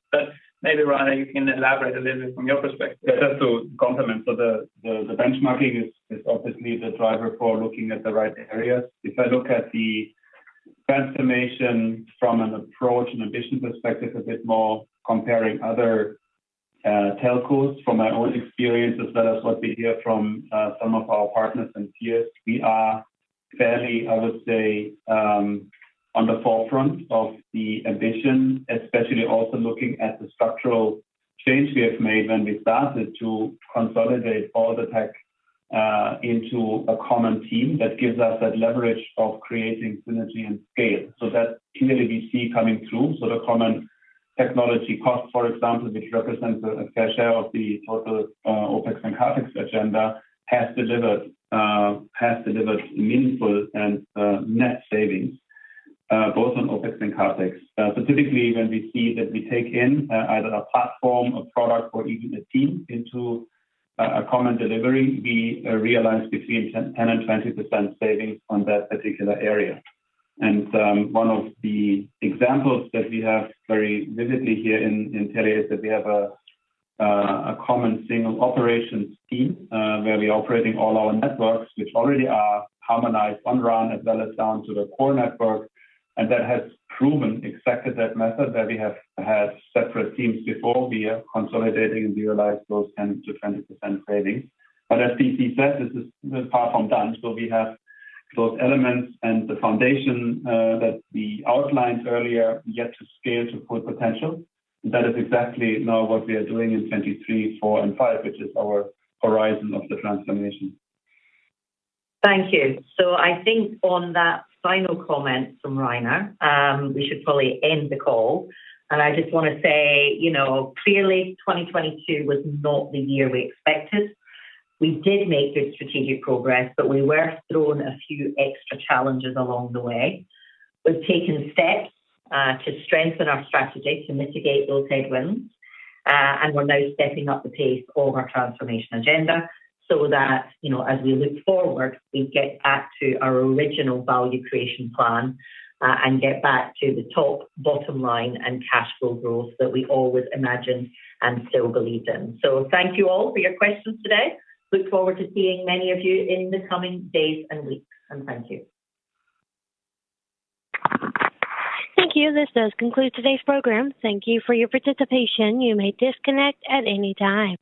Maybe, Rainer, you can elaborate a little bit from your perspective. Just to complement. The benchmarking is obviously the driver for looking at the right areas. If I look at the transformation from an approach and addition perspective, a bit more comparing other telcos from my own experience, as well as what we hear from some of our partners and peers, we are fairly, I would say, on the forefront of the addition, especially also looking at the structural change we have made when we started to consolidate all the tech into a common team that gives us that leverage of creating synergy and scale. That clearly we see coming through. The common technology cost, for example, which represents a fair share of the total OpEx and CapEx agenda, has delivered meaningful and net savings both on OpEx and CapEx. Specifically, when we see that we take in, either a platform, a product, or even a team into, a common delivery, we realize between 10%-20% savings on that particular area. One of the examples that we have very vividly here in Telia is that we have a common single operations team, where we're operating all our networks, which already are harmonized on RAN as well as down to the core network. That has proven exactly that method that we have had separate teams before. We are consolidating and realize those 10%-20% savings. As P.C. says, this is far from done. We have those elements and the foundation, that we outlined earlier yet to scale to full potential. That is exactly now what we are doing in 2023, 2024, and 2025, which is our horizon of the transformation. Thank you. I think on that final comment from Rainer, we should probably end the call. I just wanna say, you know, clearly 2022 was not the year we expected. We did make good strategic progress, but we were thrown a few extra challenges along the way. We've taken steps to strengthen our strategy to mitigate those headwinds. We're now stepping up the pace of our transformation agenda so that, you know, as we look forward, we get back to our original value creation plan and get back to the top, bottom line and cash flow growth that we always imagined and still believe in. Thank you all for your questions today. Look forward to seeing many of you in the coming days and weeks. Thank you. Thank you. This does conclude today's program. Thank you for your participation. You may disconnect at any time.